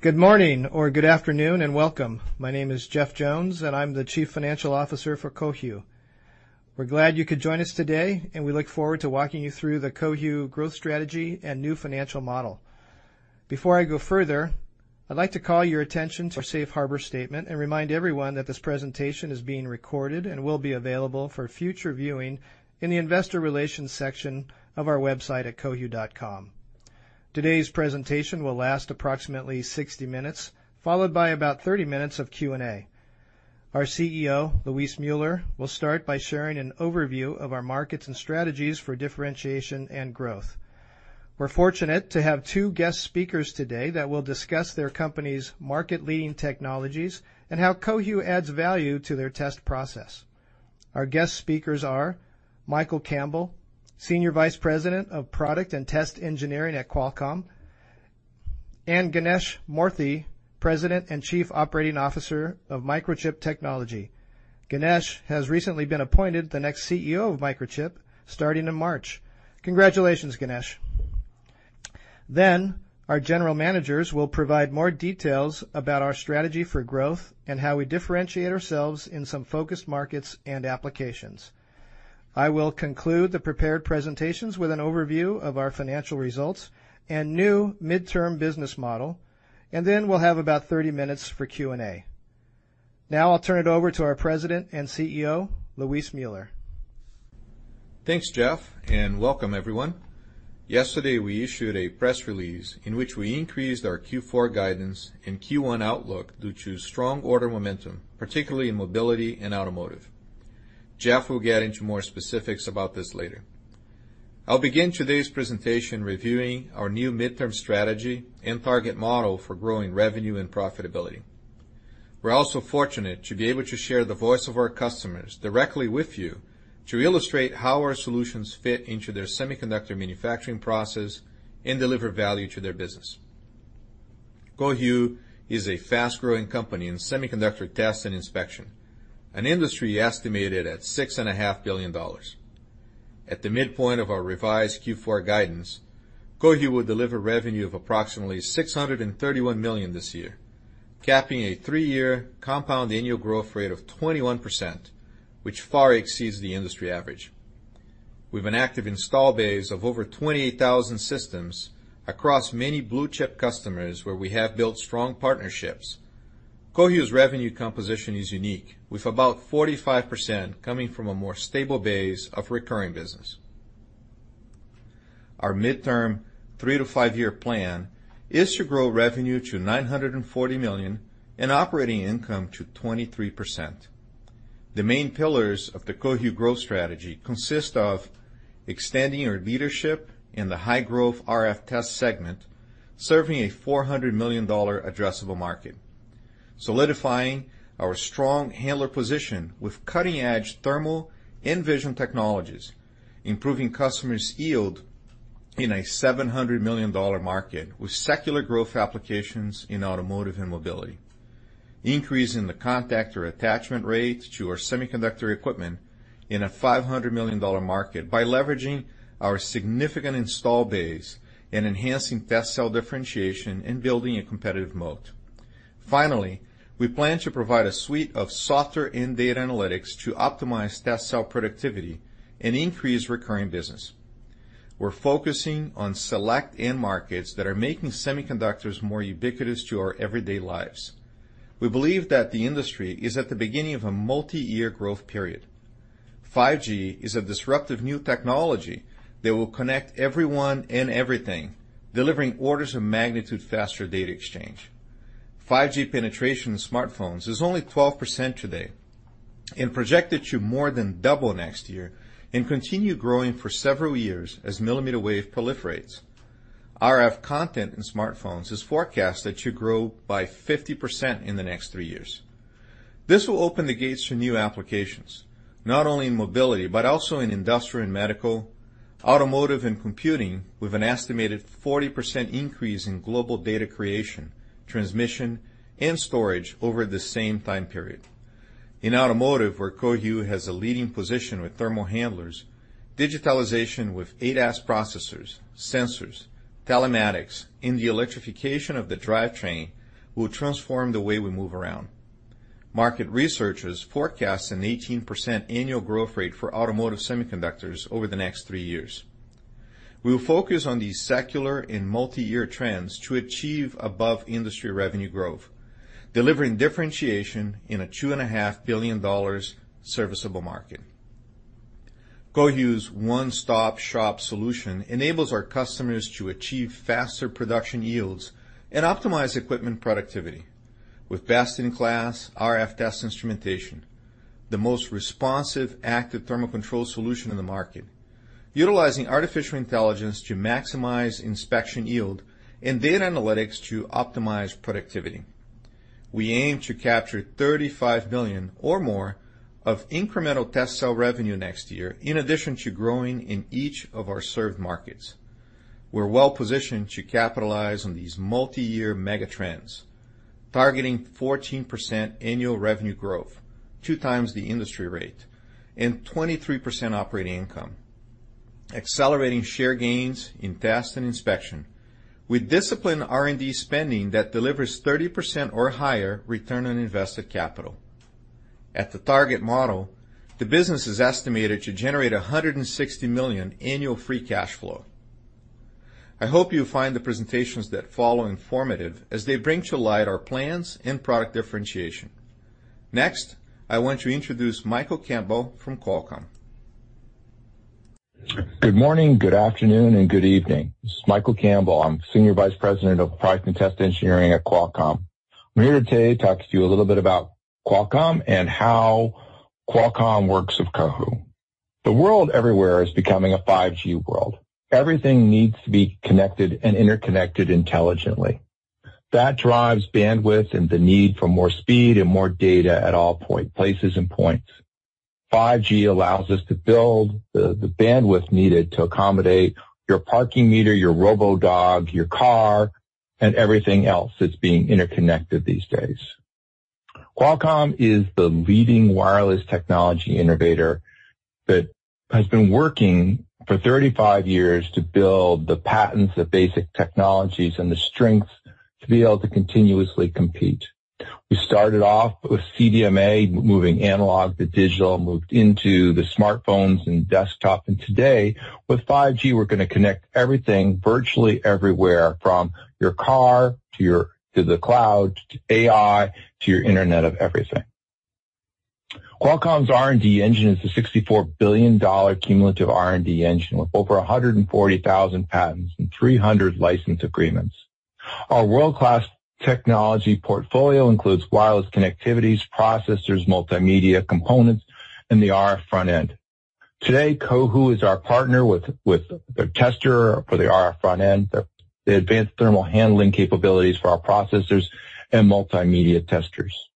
Good morning or good afternoon, welcome. My name is Jeff Jones, and I'm the Chief Financial Officer for Cohu. We're glad you could join us today, and we look forward to walking you through the Cohu growth strategy and new financial model. Before I go further, I'd like to call your attention to our safe harbor statement and remind everyone that this presentation is being recorded and will be available for future viewing in the investor relations section of our website at cohu.com. Today's presentation will last approximately 60 minutes, followed by about 30 minutes of Q&A. Our CEO, Luis Müller, will start by sharing an overview of our markets and strategies for differentiation and growth. We're fortunate to have two guest speakers today that will discuss their company's market-leading technologies and how Cohu adds value to their test process. Our guest speakers are Michael Campbell, Senior Vice President of Engineering, Product and Test, Qualcomm, and Ganesh Moorthy, President and Chief Operating Officer, Microchip Technology. Ganesh has recently been appointed the next CEO of Microchip Technology starting in March. Congratulations, Ganesh. Our general managers will provide more details about our strategy for growth and how we differentiate ourselves in some focused markets and applications. I will conclude the prepared presentations with an overview of our financial results and new midterm business model, and then we'll have about 30 minutes for Q&A. I'll turn it over to our President and CEO, Luis Müller. Thanks, Jeff, and welcome everyone. Yesterday, we issued a press release in which we increased our Q4 guidance and Q1 outlook due to strong order momentum, particularly in mobility and automotive. Jeff will get into more specifics about this later. I'll begin today's presentation reviewing our new midterm strategy and target model for growing revenue and profitability. We're also fortunate to be able to share the voice of our customers directly with you to illustrate how our solutions fit into their semiconductor manufacturing process and deliver value to their business. Cohu is a fast-growing company in semiconductor test and inspection, an industry estimated at $6.5 billion. At the midpoint of our revised Q4 guidance, Cohu will deliver revenue of approximately $631 million this year, capping a three-year compound annual growth rate of 21%, which far exceeds the industry average. We have an active install base of over 28,000 systems across many blue-chip customers where we have built strong partnerships. Cohu's revenue composition is unique, with about 45% coming from a more stable base of recurring business. Our midterm 3-5-year plan is to grow revenue to $940 million and operating income to 23%. The main pillars of the Cohu growth strategy consist of extending our leadership in the high-growth RF test segment, serving a $400 million addressable market. Solidifying our strong handler position with cutting-edge thermal and vision technologies, improving customers' yield in a $700 million market with secular growth applications in automotive and mobility. Increasing the contactor attachment rate to our semiconductor equipment in a $500 million market by leveraging our significant install base and enhancing test cell differentiation and building a competitive moat. Finally, we plan to provide a suite of software and data analytics to optimize test cell productivity and increase recurring business. We're focusing on select end markets that are making semiconductors more ubiquitous to our everyday lives. We believe that the industry is at the beginning of a multi-year growth period. 5G is a disruptive new technology that will connect everyone and everything, delivering orders of magnitude faster data exchange. 5G penetration in smartphones is only 12% today and projected to more than double next year and continue growing for several years as mmWave proliferates. RF content in smartphones is forecasted to grow by 50% in the next three years. This will open the gates to new applications, not only in mobility but also in industrial and medical, automotive, and computing, with an estimated 40% increase in global data creation, transmission, and storage over the same time period. In automotive, where Cohu has a leading position with thermal handlers, digitalization with ADAS processors, sensors, telematics, and the electrification of the drivetrain will transform the way we move around. Market researchers forecast an 18% annual growth rate for automotive semiconductors over the next three years. We will focus on these secular and multi-year trends to achieve above-industry revenue growth, delivering differentiation in a $2.5 billion serviceable market. Cohu's one-stop-shop solution enables our customers to achieve faster production yields and optimize equipment productivity. With best-in-class RF test instrumentation, the most responsive, active thermal control solution in the market, utilizing artificial intelligence to maximize inspection yield and data analytics to optimize productivity. We aim to capture $35 million or more of incremental test cell revenue next year in addition to growing in each of our served markets. We're well-positioned to capitalize on these multi-year mega trends, targeting 14% annual revenue growth, 2x the industry rate, and 23% operating income. Accelerating share gains in test and inspection with disciplined R&D spending that delivers 30% or higher return on invested capital. At the target model, the business is estimated to generate $160 million annual free cash flow. I hope you find the presentations that follow informative as they bring to light our plans and product differentiation. Next, I want to introduce Michael Campbell from Qualcomm. Good morning, good afternoon, and good evening. This is Michael Campbell. I'm Senior Vice President of Product and Test Engineering at Qualcomm. I'm here today to talk to you a little bit about Qualcomm and how Qualcomm works with Cohu. The world everywhere is becoming a 5G world. Everything needs to be connected and interconnected intelligently. That drives bandwidth and the need for more speed and more data at all places and points. 5G allows us to build the bandwidth needed to accommodate your parking meter, your robo-dog, your car, and everything else that's being interconnected these days. Qualcomm is the leading wireless technology innovator that has been working for 35 years to build the patents, the basic technologies, and the strengths to be able to continuously compete. We started off with CDMA, moving analog to digital, moved into the smartphones and desktop. Today, with 5G, we're going to connect everything virtually everywhere from your car to the cloud, to AI, to your Internet of Everything. Qualcomm's R&D engine is a $64 billion cumulative R&D engine with over 140,000 patents and 300 license agreements. Our world-class technology portfolio includes wireless connectivities, processors, multimedia components, and the RF front end. Today, Cohu is our partner with the tester for the RF front end, the advanced thermal handling capabilities for our processors and multimedia testers.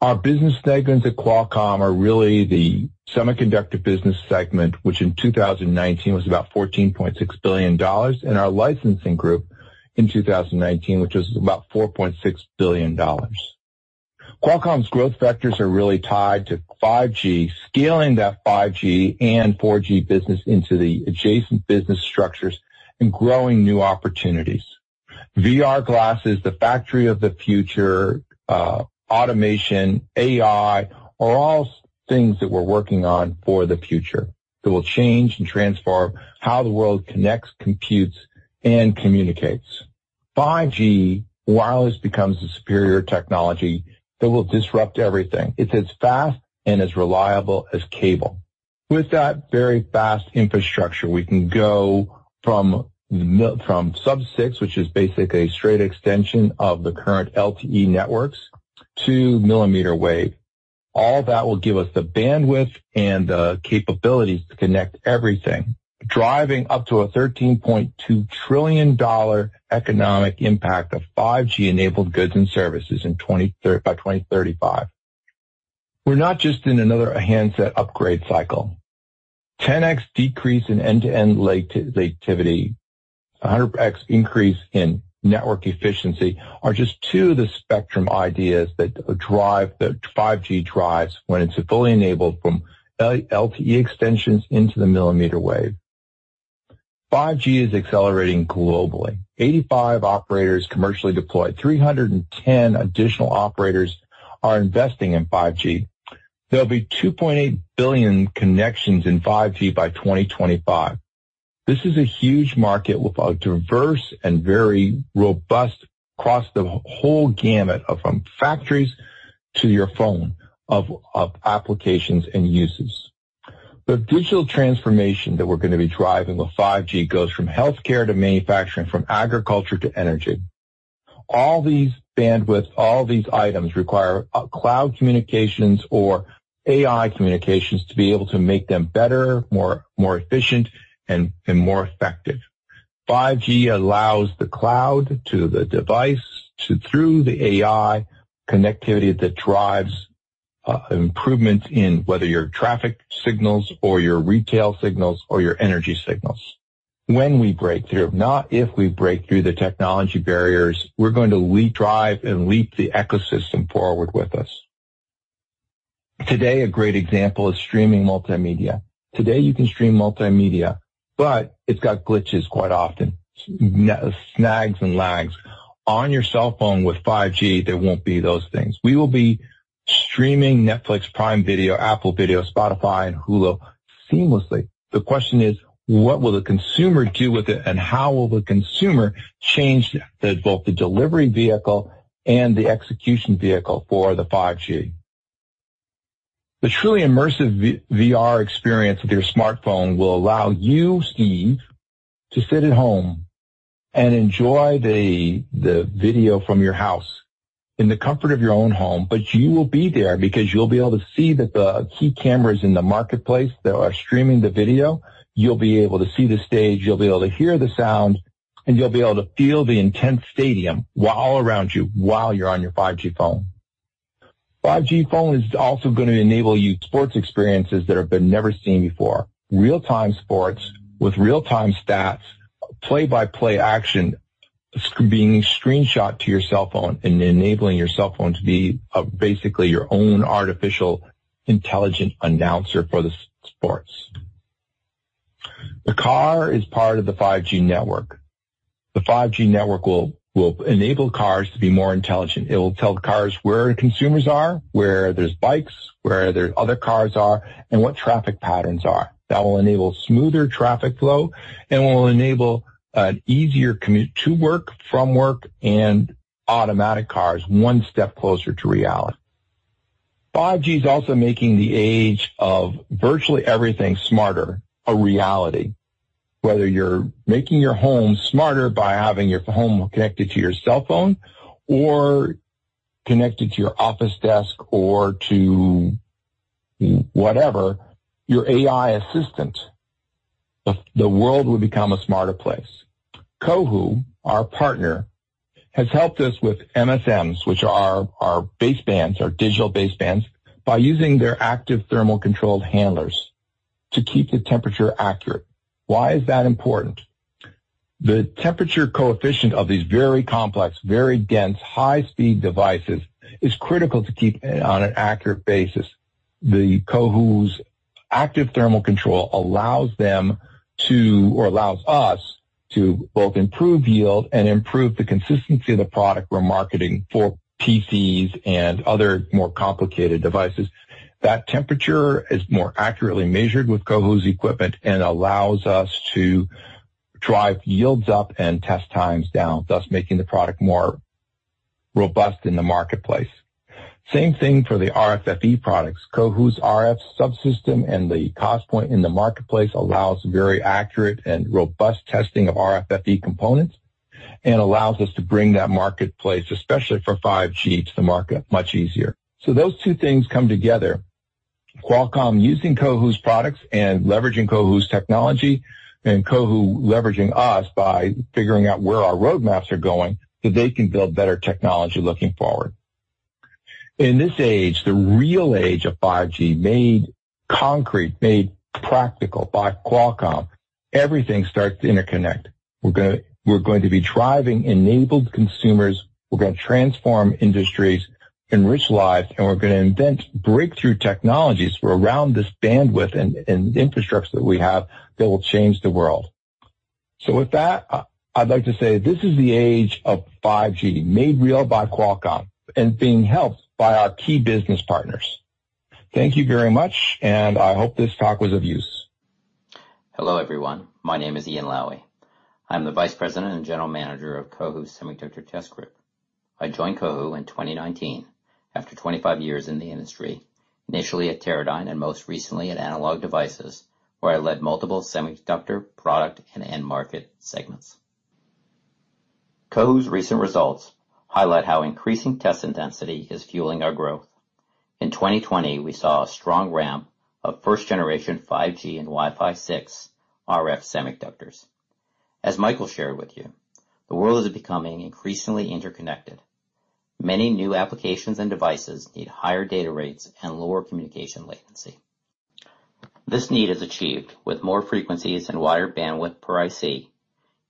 Our business segments at Qualcomm are really the semiconductor business segment, which in 2019 was about $14.6 billion, and our licensing group in 2019, which was about $4.6 billion. Qualcomm's growth vectors are really tied to 5G, scaling that 5G and 4G business into the adjacent business structures and growing new opportunities. VR glasses, the factory of the future, automation, AI, are all things that we're working on for the future that will change and transform how the world connects, computes, and communicates. 5G wireless becomes the superior technology that will disrupt everything. It's as fast and as reliable as cable. With that very fast infrastructure, we can go from sub-6, which is basically a straight extension of the current LTE networks, to mmWave. All that will give us the bandwidth and the capabilities to connect everything, driving up to a $13.2 trillion economic impact of 5G-enabled goods and services by 2035. We're not just in another handset upgrade cycle. 10x decrease in end-to-end latency, 100x increase in network efficiency are just two of the spectrum ideas that 5G drives when it's fully enabled from LTE extensions into the mmWave. 5G is accelerating globally. 85 operators commercially deployed. 310 additional operators are investing in 5G. There'll be 2.8 billion connections in 5G by 2025. This is a huge market with a diverse and very robust across the whole gamut, from factories to your phone, of applications and uses. The digital transformation that we're going to be driving with 5G goes from healthcare to manufacturing, from agriculture to energy. All these bandwidths, all these items require cloud communications or AI communications to be able to make them better, more efficient, and more effective. 5G allows the cloud to the device through the AI connectivity that drives improvements in whether your traffic signals or your retail signals or your energy signals. When we break through, not if we break through the technology barriers, we're going to redrive and leap the ecosystem forward with us. Today, a great example is streaming multimedia. Today, you can stream multimedia, but it's got glitches quite often. Snags and lags. On your cell phone with 5G, there won't be those things. We will be streaming Netflix, Prime Video, Apple TV, Spotify, and Hulu seamlessly. The question is, what will the consumer do with it, and how will the consumer change both the delivery vehicle and the execution vehicle for the 5G? The truly immersive VR experience with your smartphone will allow you, Steve, to sit at home and enjoy the video from your house in the comfort of your own home. You will be there because you'll be able to see the key cameras in the marketplace that are streaming the video. You'll be able to see the stage, you'll be able to hear the sound, and you'll be able to feel the intense stadium all around you while you're on your 5G phone. 5G phone is also going to enable you sports experiences that have been never seen before. Real-time sports with real-time stats, play-by-play action, being screenshot to your cell phone and enabling your cell phone to be basically your own artificial intelligence announcer for the sports. The car is part of the 5G network. The 5G network will enable cars to be more intelligent. It will tell the cars where consumers are, where there's bikes, where other cars are, and what traffic patterns are. That will enable smoother traffic flow and will enable an easier commute to work, from work, and automatic cars one step closer to reality. 5G is also making the age of virtually everything smarter, a reality. Whether you're making your home smarter by having your home connected to your cell phone or connected to your office desk or to whatever, your AI assistant, the world will become a smarter place. Cohu, our partner, has helped us with MSM, which are our basebands, our digital basebands, by using their active thermal controlled handlers to keep the temperature accurate. Why is that important? The temperature coefficient of these very complex, very dense, high-speed devices is critical to keep on an accurate basis. Cohu's active thermal control allows them to, or allows us, to both improve yield and improve the consistency of the product we're marketing for PCs and other more complicated devices. That temperature is more accurately measured with Cohu's equipment and allows us to drive yields up and test times down, thus making the product more robust in the marketplace. Same thing for the RFFE products. Cohu's RF subsystem and the cost point in the marketplace allows very accurate and robust testing of RFFE components and allows us to bring that marketplace, especially for 5G, to the market much easier. Those two things come together, Qualcomm using Cohu's products and leveraging Cohu's technology, and Cohu leveraging us by figuring out where our roadmaps are going so they can build better technology looking forward. In this age, the real age of 5G, made concrete, made practical by Qualcomm, everything starts to interconnect. We're going to be driving enabled consumers, we're going to transform industries, enrich lives, and we're going to invent breakthrough technologies around this bandwidth and infrastructure that we have that will change the world. With that, I'd like to say this is the age of 5G, made real by Qualcomm and being helped by our key business partners. Thank you very much, and I hope this talk was of use. Hello, everyone. My name is Ian Lawee. I'm the Vice President and General Manager of Cohu's Semiconductor Test Group. I joined Cohu in 2019 after 25 years in the industry, initially at Teradyne and most recently at Analog Devices, where I led multiple semiconductor product and end market segments. Cohu's recent results highlight how increasing test intensity is fueling our growth. In 2020, we saw a strong ramp of first-generation 5G and Wi-Fi 6 RF semiconductors. As Michael shared with you, the world is becoming increasingly interconnected. Many new applications and devices need higher data rates and lower communication latency. This need is achieved with more frequencies and wider bandwidth per IC,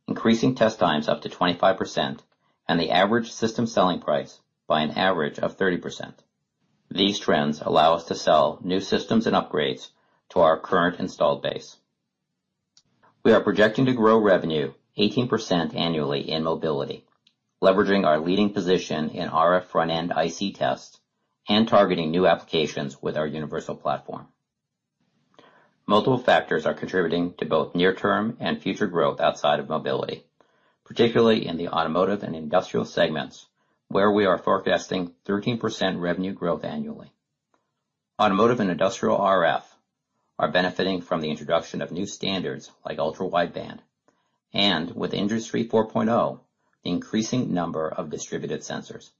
increasing test times up to 25%, and the average system selling price by an average of 30%. These trends allow us to sell new systems and upgrades to our current installed base. We are projecting to grow revenue 18% annually in mobility, leveraging our leading position in RF front-end IC test and targeting new applications with our universal platform. Multiple factors are contributing to both near-term and future growth outside of mobility, particularly in the automotive and industrial segments, where we are forecasting 13% revenue growth annually. Automotive and industrial RF are benefiting from the introduction of new standards like ultra-wideband, and with Industry 4.0, the increasing number of distributed sensors.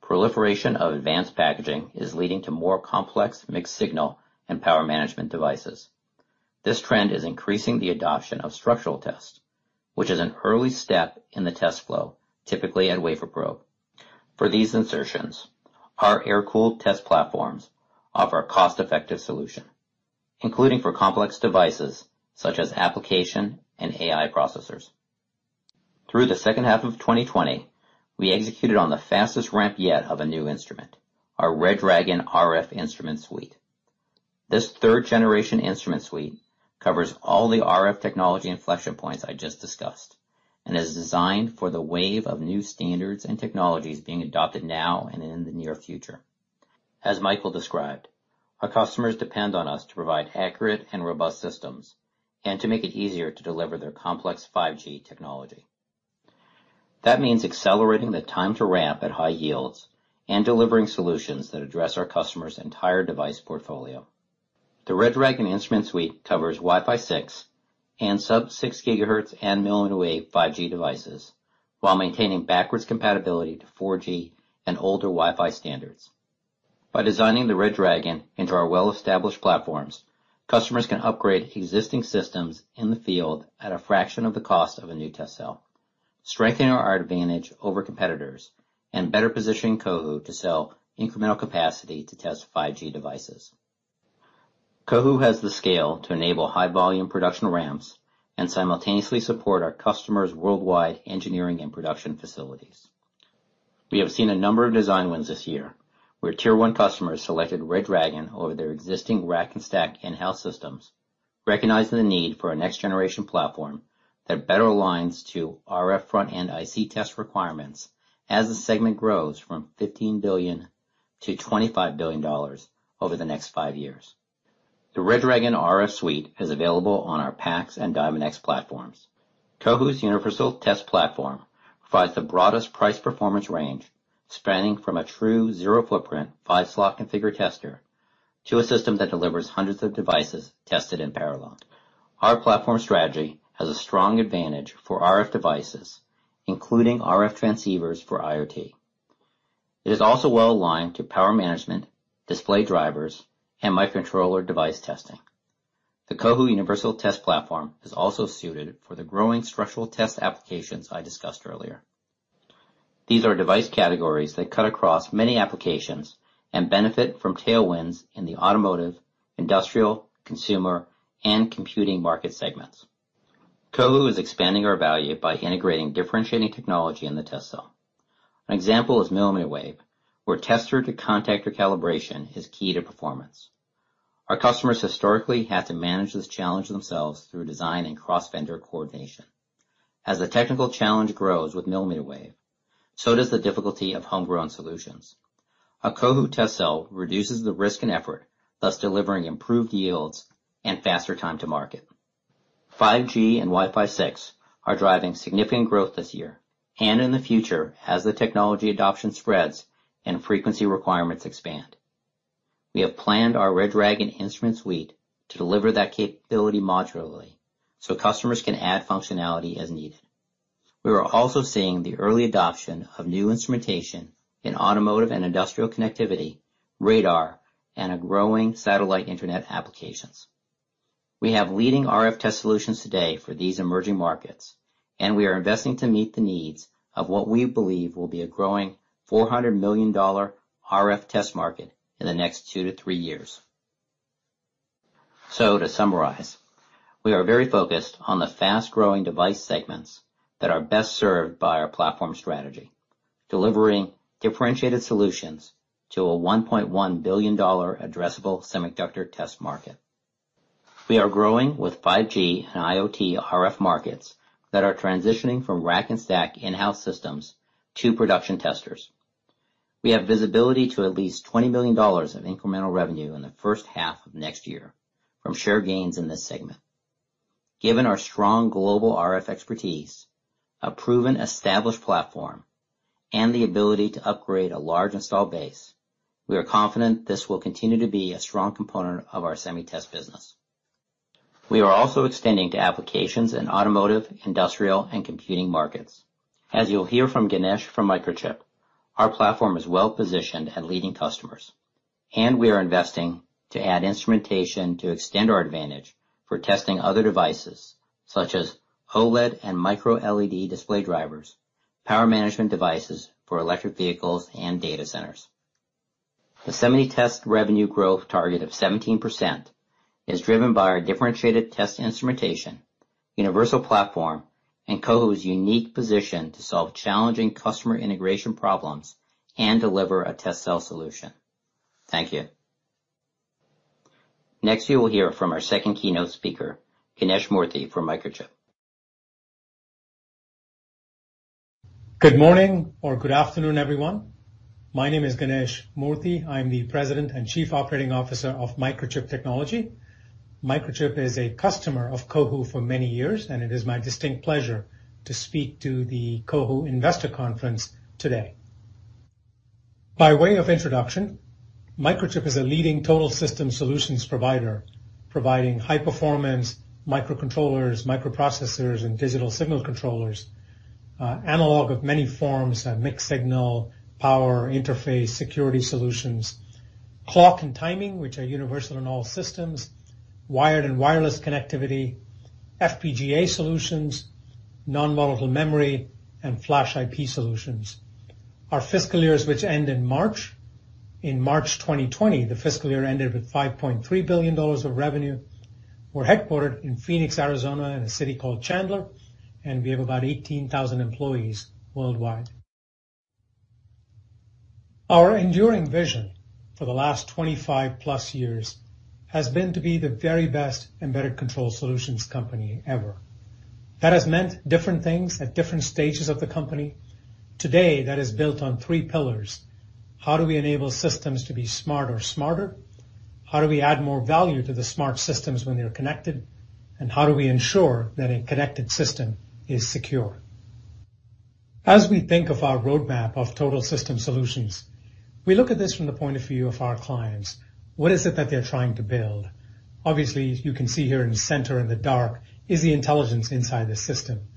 Proliferation of advanced packaging is leading to more complex mixed signal and power management devices. This trend is increasing the adoption of structural test, which is an early step in the test flow, typically at wafer probe. For these insertions, our air-cooled test platforms offer a cost-effective solution, including for complex devices such as application and AI processors. Through the second half of 2020, we executed on the fastest ramp yet of a new instrument, our RedDragon RF instrument suite. This third-generation instrument suite covers all the RF technology inflection points I just discussed and is designed for the wave of new standards and technologies being adopted now and in the near future. As Michael described, our customers depend on us to provide accurate and robust systems and to make it easier to deliver their complex 5G technology. That means accelerating the time to ramp at high yields and delivering solutions that address our customers' entire device portfolio. The RedDragon instrument suite covers Wi-Fi 6 and sub-6 GHz and mmWave 5G devices while maintaining backwards compatibility to 4G and older Wi-Fi standards. By designing the RedDragon into our well-established platforms, customers can upgrade existing systems in the field at a fraction of the cost of a new test cell, strengthening our advantage over competitors, and better positioning Cohu to sell incremental capacity to test 5G devices. Cohu has the scale to enable high-volume production ramps and simultaneously support our customers' worldwide engineering and production facilities. We have seen a number of design wins this year, where Tier 1 customers selected RedDragon over their existing rack and stack in-house systems, recognizing the need for a next-generation platform that better aligns to RF front-end IC test requirements as the segment grows from $15 billion-$25 billion over the next five years. The RedDragon RF suite is available on our PAx and Diamondx platforms. Cohu's universal test platform provides the broadest price-performance range, spanning from a true zero-footprint, five-slot configure tester to a system that delivers hundreds of devices tested in parallel. Our platform strategy has a strong advantage for RF devices, including RF transceivers for IoT. It is also well-aligned to power management, display drivers, and microcontroller device testing. The Cohu universal test platform is also suited for the growing structural test applications I discussed earlier. These are device categories that cut across many applications and benefit from tailwinds in the automotive, industrial, consumer, and computing market segments. Cohu is expanding our value by integrating differentiating technology in the test cell. An example is mmWave, where tester-to-contactor calibration is key to performance. Our customers historically had to manage this challenge themselves through design and cross-vendor coordination. As the technical challenge grows with mmWave, so does the difficulty of homegrown solutions. A Cohu test cell reduces the risk and effort, thus delivering improved yields and faster time to market. 5G and Wi-Fi 6 are driving significant growth this year and in the future as the technology adoption spreads and frequency requirements expand. We have planned our RedDragon instrument suite to deliver that capability modularly so customers can add functionality as needed. We are also seeing the early adoption of new instrumentation in automotive and industrial connectivity, radar, and growing satellite internet applications. We have leading RF test solutions today for these emerging markets, we are investing to meet the needs of what we believe will be a growing $400 million RF test market in the next two to three years. To summarize, we are very focused on the fast-growing device segments that are best served by our platform strategy, delivering differentiated solutions to a $1.1 billion addressable semiconductor test market. We are growing with 5G and IoT RF markets that are transitioning from rack and stack in-house systems to production testers. We have visibility to at least $20 billion of incremental revenue in the first half of next year from share gains in this segment. Given our strong global RF expertise, a proven established platform, and the ability to upgrade a large installed base, we are confident this will continue to be a strong component of our semi test business. We are also extending to applications in automotive, industrial, and computing markets. As you'll hear from Ganesh from Microchip, our platform is well-positioned at leading customers, and we are investing to add instrumentation to extend our advantage for testing other devices such as OLED and microLED display drivers, power management devices for electric vehicles, and data centers. The semi test revenue growth target of 17% is driven by our differentiated test instrumentation, universal platform, and Cohu's unique position to solve challenging customer integration problems and deliver a test cell solution. Thank you. Next, you will hear from our second keynote speaker, Ganesh Moorthy from Microchip. Good morning or good afternoon, everyone. My name is Ganesh Moorthy. I'm the President and Chief Operating Officer of Microchip Technology. Microchip is a customer of Cohu for many years, and it is my distinct pleasure to speak to the Cohu Investor Conference today. By way of introduction, Microchip is a leading total system solutions provider, providing high-performance microcontrollers, microprocessors, and digital signal controllers, analog of many forms, mixed signal, power, interface, security solutions, clock and timing, which are universal in all systems, wired and wireless connectivity, FPGA solutions, non-volatile memory, and flash IP solutions. Our fiscal years, which end in March, in March 2020, the fiscal year ended with $5.3 billion of revenue. We're headquartered in Phoenix, Arizona, in a city called Chandler, and we have about 18,000 employees worldwide. Our enduring vision for the last 25-plus years has been to be the very best embedded control solutions company ever. That has meant different things at different stages of the company. Today, that is built on three pillars. How do we enable systems to be smart or smarter? How do we add more value to the smart systems when they're connected? How do we ensure that a connected system is secure? As we think of our roadmap of total system solutions, we look at this from the point of view of our clients. What is it that they're trying to build? Obviously, you can see here in the center in the dark is the intelligence inside the system.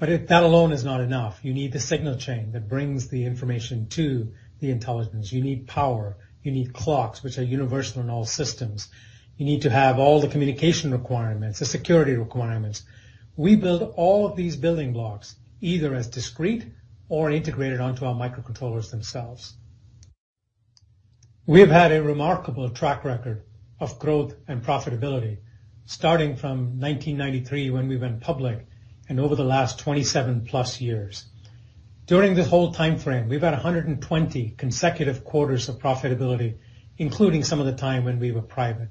That alone is not enough. You need the signal chain that brings the information to the intelligence. You need power. You need clocks, which are universal in all systems. You need to have all the communication requirements, the security requirements. We build all of these building blocks, either as discrete or integrated onto our microcontrollers themselves. We have had a remarkable track record of growth and profitability starting from 1993 when we went public and over the last 27 plus years. During this whole timeframe, we've had 120 consecutive quarters of profitability, including some of the time when we were private,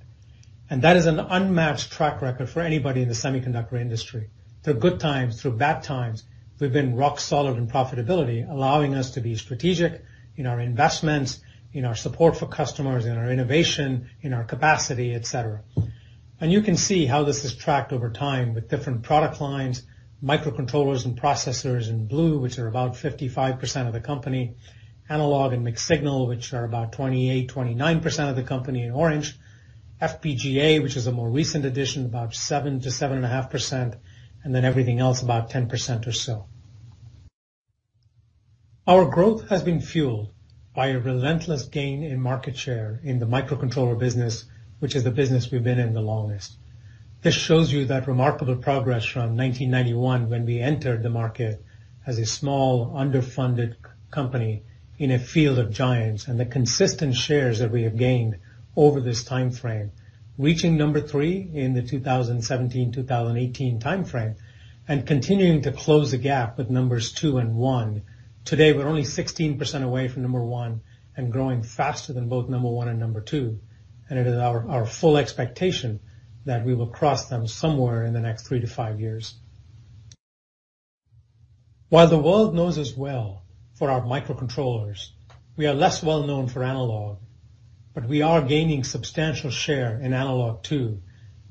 and that is an unmatched track record for anybody in the semiconductor industry. Through good times, through bad times, we've been rock solid in profitability, allowing us to be strategic in our investments, in our support for customers, in our innovation, in our capacity, et cetera. You can see how this has tracked over time with different product lines, microcontrollers and processors in blue, which are about 55% of the company, analog and mixed signal, which are about 28%, 29% of the company in orange, FPGA, which is a more recent addition, about 7%-7.5%, and then everything else about 10% or so. Our growth has been fueled by a relentless gain in market share in the microcontroller business, which is the business we've been in the longest. This shows you that remarkable progress from 1991, when we entered the market as a small, underfunded company in a field of giants, and the consistent shares that we have gained over this timeframe, reaching number three in the 2017, 2018 timeframe and continuing to close the gap with numbers two and one. Today, we're only 16% away from number one and growing faster than both number one and number two, and it is our full expectation that we will cross them somewhere in the next three-five years. While the world knows us well for our microcontrollers, we are less well-known for analog. We are gaining substantial share in analog too.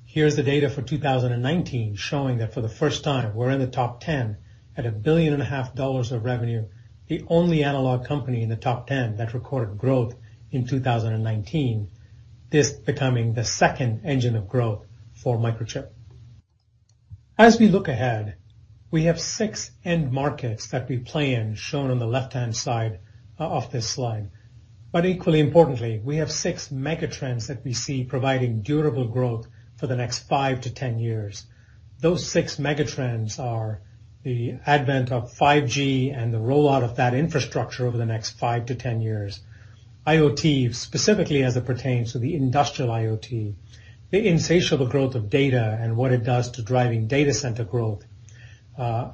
Here's the data for 2019 showing that for the first time, we're in the top 10 at a billion and a half dollars of revenue, the only analog company in the top 10 that recorded growth in 2019. This becoming the second engine of growth for Microchip. As we look ahead, we have six end markets that we play in, shown on the left-hand side of this slide. Equally importantly, we have six mega trends that we see providing durable growth for the next 5-10 years. Those six mega trends are the advent of 5G and the rollout of that infrastructure over the next 5-10 years, IoT, specifically as it pertains to the industrial IoT, the insatiable growth of data and what it does to driving data center growth,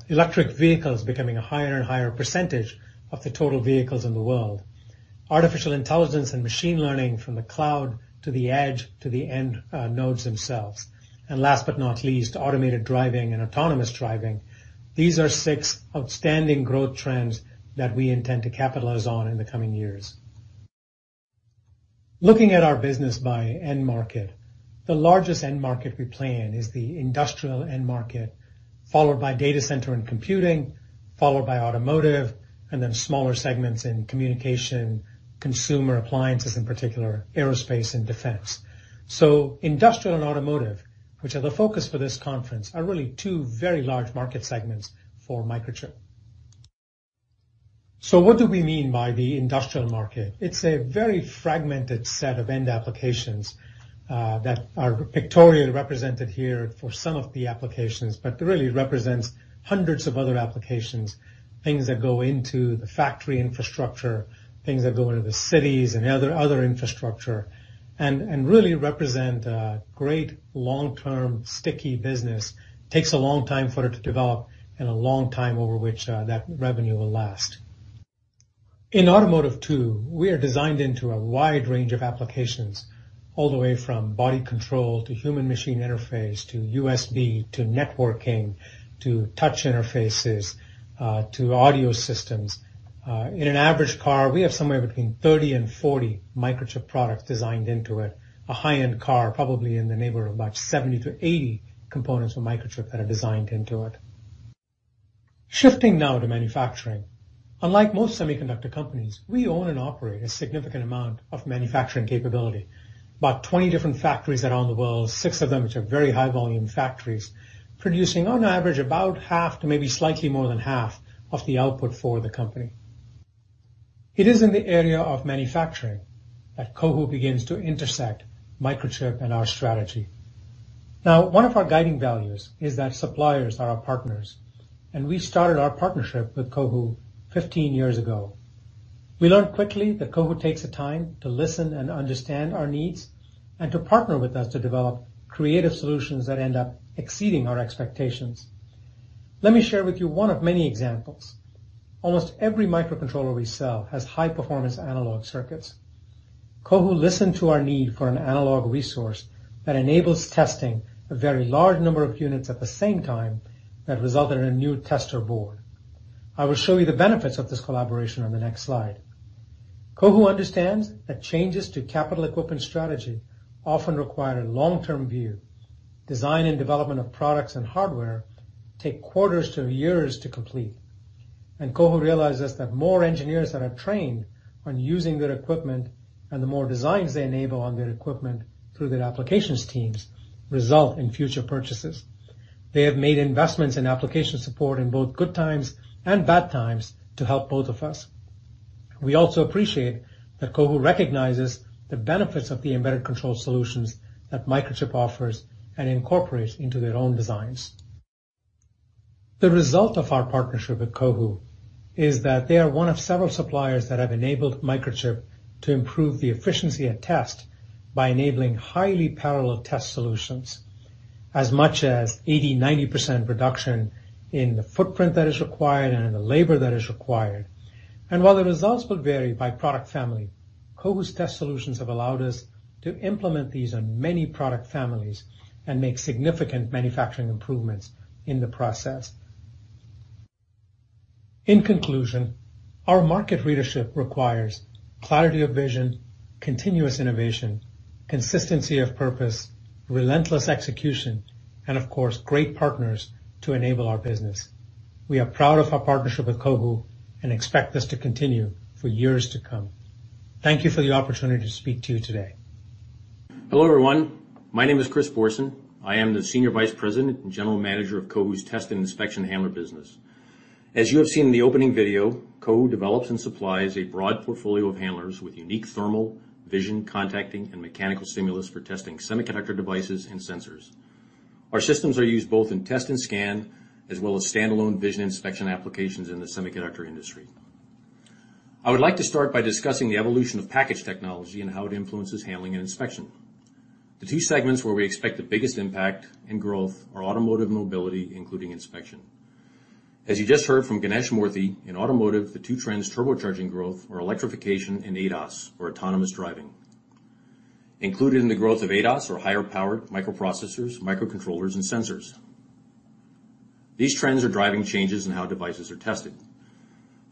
electric vehicles becoming a higher and higher percentage of the total vehicles in the world, artificial intelligence and machine learning from the cloud to the edge to the end nodes themselves, and last but not least, automated driving and autonomous driving. These are six outstanding growth trends that we intend to capitalize on in the coming years. Looking at our business by end market, the largest end market we play in is the industrial end market, followed by data center and computing, followed by automotive, and then smaller segments in communication, consumer appliances, in particular aerospace and defense. Industrial and automotive, which are the focus for this conference, are really two very large market segments for Microchip. What do we mean by the industrial market? It's a very fragmented set of end applications that are pictorially represented here for some of the applications, but really represents hundreds of other applications, things that go into the factory infrastructure, things that go into the cities and other infrastructure and really represent a great long-term sticky business. Takes a long time for it to develop and a long time over which that revenue will last. In automotive too, we are designed into a wide range of applications, all the way from body control to human machine interface to USB to networking to touch interfaces to audio systems. In an average car, we have somewhere between 30 and 40 Microchip products designed into it. A high-end car, probably in the neighborhood of about 70-80 components from Microchip that are designed into it. Shifting now to manufacturing. Unlike most semiconductor companies, we own and operate a significant amount of manufacturing capability. About 20 different factories around the world, six of them which are very high volume factories, producing on average about half to maybe slightly more than half of the output for the company. It is in the area of manufacturing that Cohu begins to intersect Microchip and our strategy. Now, one of our guiding values is that suppliers are our partners, and we started our partnership with Cohu 15 years ago. We learned quickly that Cohu takes the time to listen and understand our needs and to partner with us to develop creative solutions that end up exceeding our expectations. Let me share with you one of many examples. Almost every microcontroller we sell has high performance analog circuits. Cohu listened to our need for an analog resource that enables testing a very large number of units at the same time that resulted in a new tester board. I will show you the benefits of this collaboration on the next slide. Cohu understands that changes to capital equipment strategy often require a long-term view. Design and development of products and hardware take quarters to years to complete. Cohu realizes that more engineers that are trained on using their equipment and the more designs they enable on their equipment through their applications teams result in future purchases. They have made investments in application support in both good times and bad times to help both of us. We also appreciate that Cohu recognizes the benefits of the embedded control solutions that Microchip offers and incorporates into their own designs. The result of our partnership with Cohu is that they are one of several suppliers that have enabled Microchip to improve the efficiency at test by enabling highly parallel test solutions as much as 80%, 90% reduction in the footprint that is required and in the labor that is required. While the results will vary by product family, Cohu's test solutions have allowed us to implement these on many product families and make significant manufacturing improvements in the process. In conclusion, our market leadership requires clarity of vision, continuous innovation, consistency of purpose, relentless execution, and of course, great partners to enable our business. We are proud of our partnership with Cohu and expect this to continue for years to come. Thank you for the opportunity to speak to you today. Hello, everyone. My name is Chris Bohrson. I am the Senior Vice President and General Manager of Cohu's Test and Inspection Handler business. As you have seen in the opening video, Cohu develops and supplies a broad portfolio of handlers with unique thermal, vision, contacting, and mechanical stimulus for testing semiconductor devices and sensors. Our systems are used both in test and scan, as well as standalone vision inspection applications in the semiconductor industry. I would like to start by discussing the evolution of package technology and how it influences handling and inspection. The two segments where we expect the biggest impact and growth are automotive mobility, including inspection. As you just heard from Ganesh Moorthy, in automotive, the two trends, turbocharging growth or electrification and ADAS or autonomous driving. Included in the growth of ADAS or higher-powered microprocessors, microcontrollers, and sensors. These trends are driving changes in how devices are tested.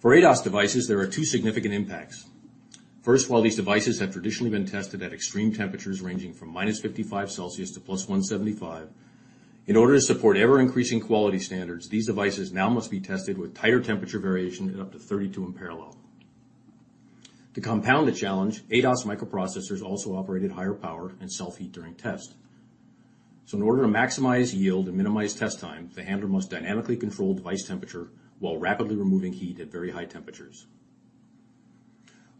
For ADAS devices, there are two significant impacts. First, while these devices have traditionally been tested at extreme temperatures ranging from -55 degrees Celsius to +175 degrees Celsius, in order to support ever-increasing quality standards, these devices now must be tested with tighter temperature variation at up to 32 in parallel. To compound the challenge, ADAS microprocessors also operate at higher power and self-heat during test. In order to maximize yield and minimize test time, the handler must dynamically control device temperature while rapidly removing heat at very high temperatures.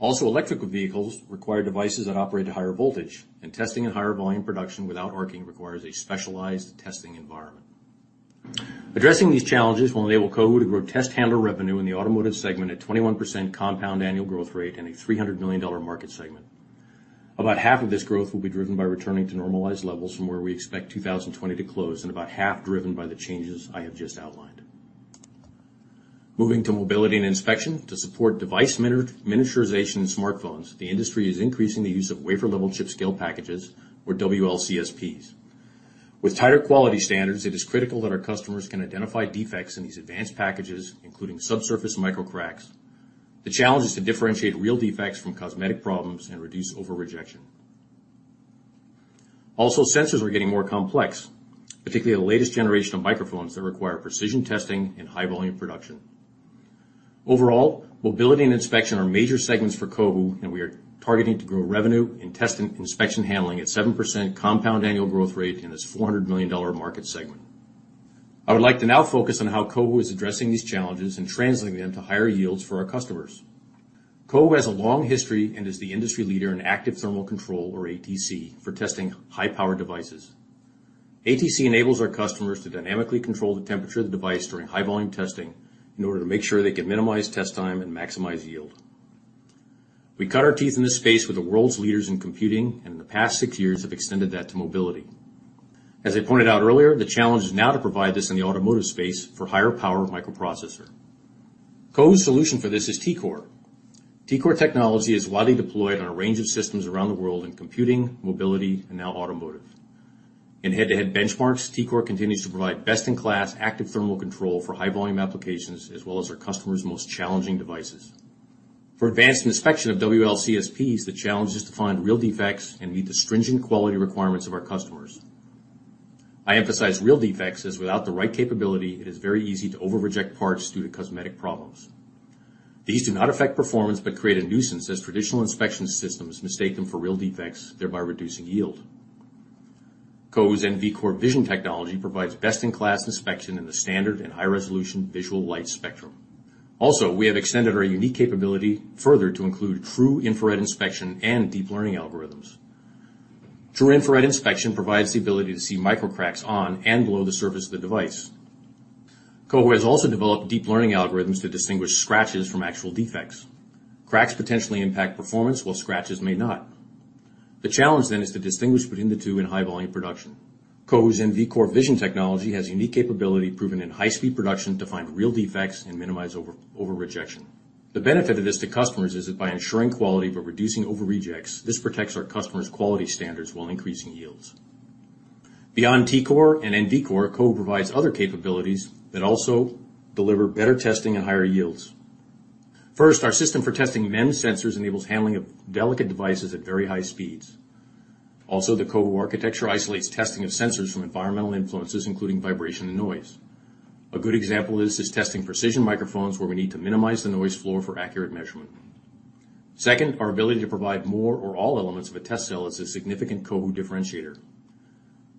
Also, electrical vehicles require devices that operate at higher voltage, and testing at higher volume production without arcing requires a specialized testing environment. Addressing these challenges will enable Cohu to grow test handler revenue in the automotive segment at 21% compound annual growth rate and a $300 million market segment. About half of this growth will be driven by returning to normalized levels from where we expect 2020 to close and about half driven by the changes I have just outlined. Moving to mobility and inspection. To support device miniaturization in smartphones, the industry is increasing the use of wafer level chip scale packages or WLCSPs. With tighter quality standards, it is critical that our customers can identify defects in these advanced packages, including subsurface microcracks. The challenge is to differentiate real defects from cosmetic problems and reduce overrejection. Also, sensors are getting more complex, particularly the latest generation of microphones that require precision testing and high volume production. Overall, mobility and inspection are major segments for Cohu, and we are targeting to grow revenue in test and inspection handling at 7% compound annual growth rate in this $400 million market segment. I would like to now focus on how Cohu is addressing these challenges and translating them to higher yields for our customers. Cohu has a long history and is the industry leader in active thermal control or ATC for testing high-power devices. ATC enables our customers to dynamically control the temperature of the device during high-volume testing in order to make sure they can minimize test time and maximize yield. We cut our teeth in this space with the world's leaders in computing, and in the past six years have extended that to mobility. As I pointed out earlier, the challenge is now to provide this in the automotive space for higher power microprocessor. Cohu's solution for this is T-Core. T-Core technology is widely deployed on a range of systems around the world in computing, mobility, and now automotive. In head-to-head benchmarks, T-Core continues to provide best-in-class active thermal control for high-volume applications, as well as our customers' most challenging devices. For advanced inspection of WLCSPs, the challenge is to find real defects and meet the stringent quality requirements of our customers. I emphasize real defects, as without the right capability, it is very easy to overreject parts due to cosmetic problems. These do not affect performance but create a nuisance as traditional inspection systems mistake them for real defects, thereby reducing yield. Cohu's NV-Core vision technology provides best-in-class inspection in the standard and high-resolution visual light spectrum. Also, we have extended our unique capability further to include true infrared inspection and deep learning algorithms. True infrared inspection provides the ability to see microcracks on and below the surface of the device. Cohu has also developed deep learning algorithms to distinguish scratches from actual defects. Cracks potentially impact performance, while scratches may not. The challenge is to distinguish between the two in high-volume production. Cohu's NV-Core vision technology has unique capability proven in high-speed production to find real defects and minimize overrejection. The benefit of this to customers is that by ensuring quality but reducing overrejects, this protects our customers' quality standards while increasing yields. Beyond T-Core and NV-Core, Cohu provides other capabilities that also deliver better testing and higher yields. First, our system for testing MEMS sensors enables handling of delicate devices at very high speeds. The Cohu architecture isolates testing of sensors from environmental influences, including vibration and noise. A good example of this is testing precision microphones, where we need to minimize the noise floor for accurate measurement. Second, our ability to provide more or all elements of a test cell is a significant Cohu differentiator.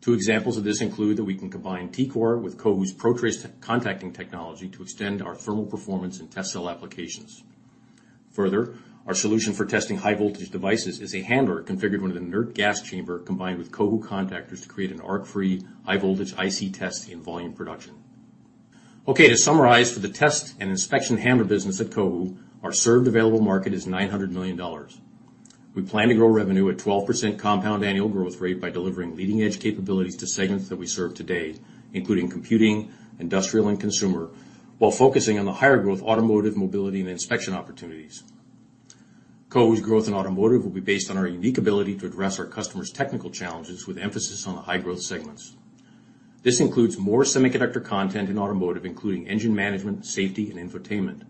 Two examples of this include that we can combine T-Core with Cohu's ProTrace contacting technology to extend our thermal performance and test cell applications. Further, our solution for testing high voltage devices is a handler configured with an inert gas chamber combined with Cohu contactors to create an arc-free high voltage IC test in volume production. Okay, to summarize, for the test and inspection handler business at Cohu, our served available market is $900 million. We plan to grow revenue at 12% compound annual growth rate by delivering leading-edge capabilities to segments that we serve today, including computing, industrial, and consumer, while focusing on the higher growth automotive, mobility, and inspection opportunities. Cohu's growth in automotive will be based on our unique ability to address our customers' technical challenges with emphasis on the high-growth segments. This includes more semiconductor content in automotive, including engine management, safety, and infotainment.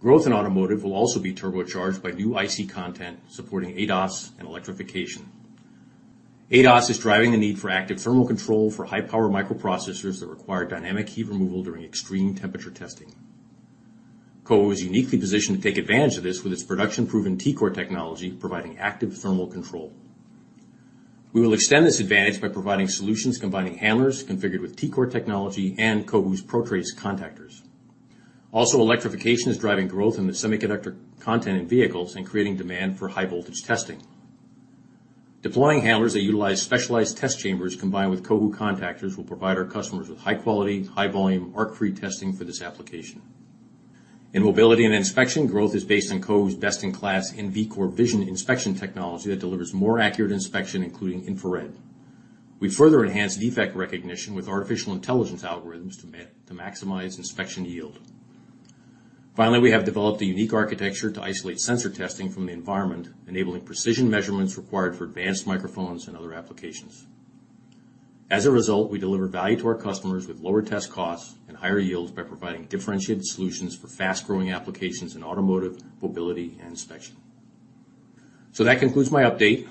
Growth in automotive will also be turbocharged by new IC content supporting ADAS and electrification. ADAS is driving the need for active thermal control for high-power microprocessors that require dynamic heat removal during extreme temperature testing. Cohu is uniquely positioned to take advantage of this with its production-proven T-Core technology, providing active thermal control. We will extend this advantage by providing solutions combining handlers configured with T-Core technology and Cohu's ProTrace contactors. Electrification is driving growth in the semiconductor content in vehicles and creating demand for high voltage testing. Deploying handlers that utilize specialized test chambers combined with Cohu contactors will provide our customers with high quality, high volume, arc-free testing for this application. In mobility and inspection, growth is based on Cohu's best-in-class NV-Core vision inspection technology that delivers more accurate inspection, including infrared. We further enhance defect recognition with artificial intelligence algorithms to maximize inspection yield. Finally, we have developed a unique architecture to isolate sensor testing from the environment, enabling precision measurements required for advanced microphones and other applications. As a result, we deliver value to our customers with lower test costs and higher yields by providing differentiated solutions for fast-growing applications in automotive, mobility, and inspection. That concludes my update.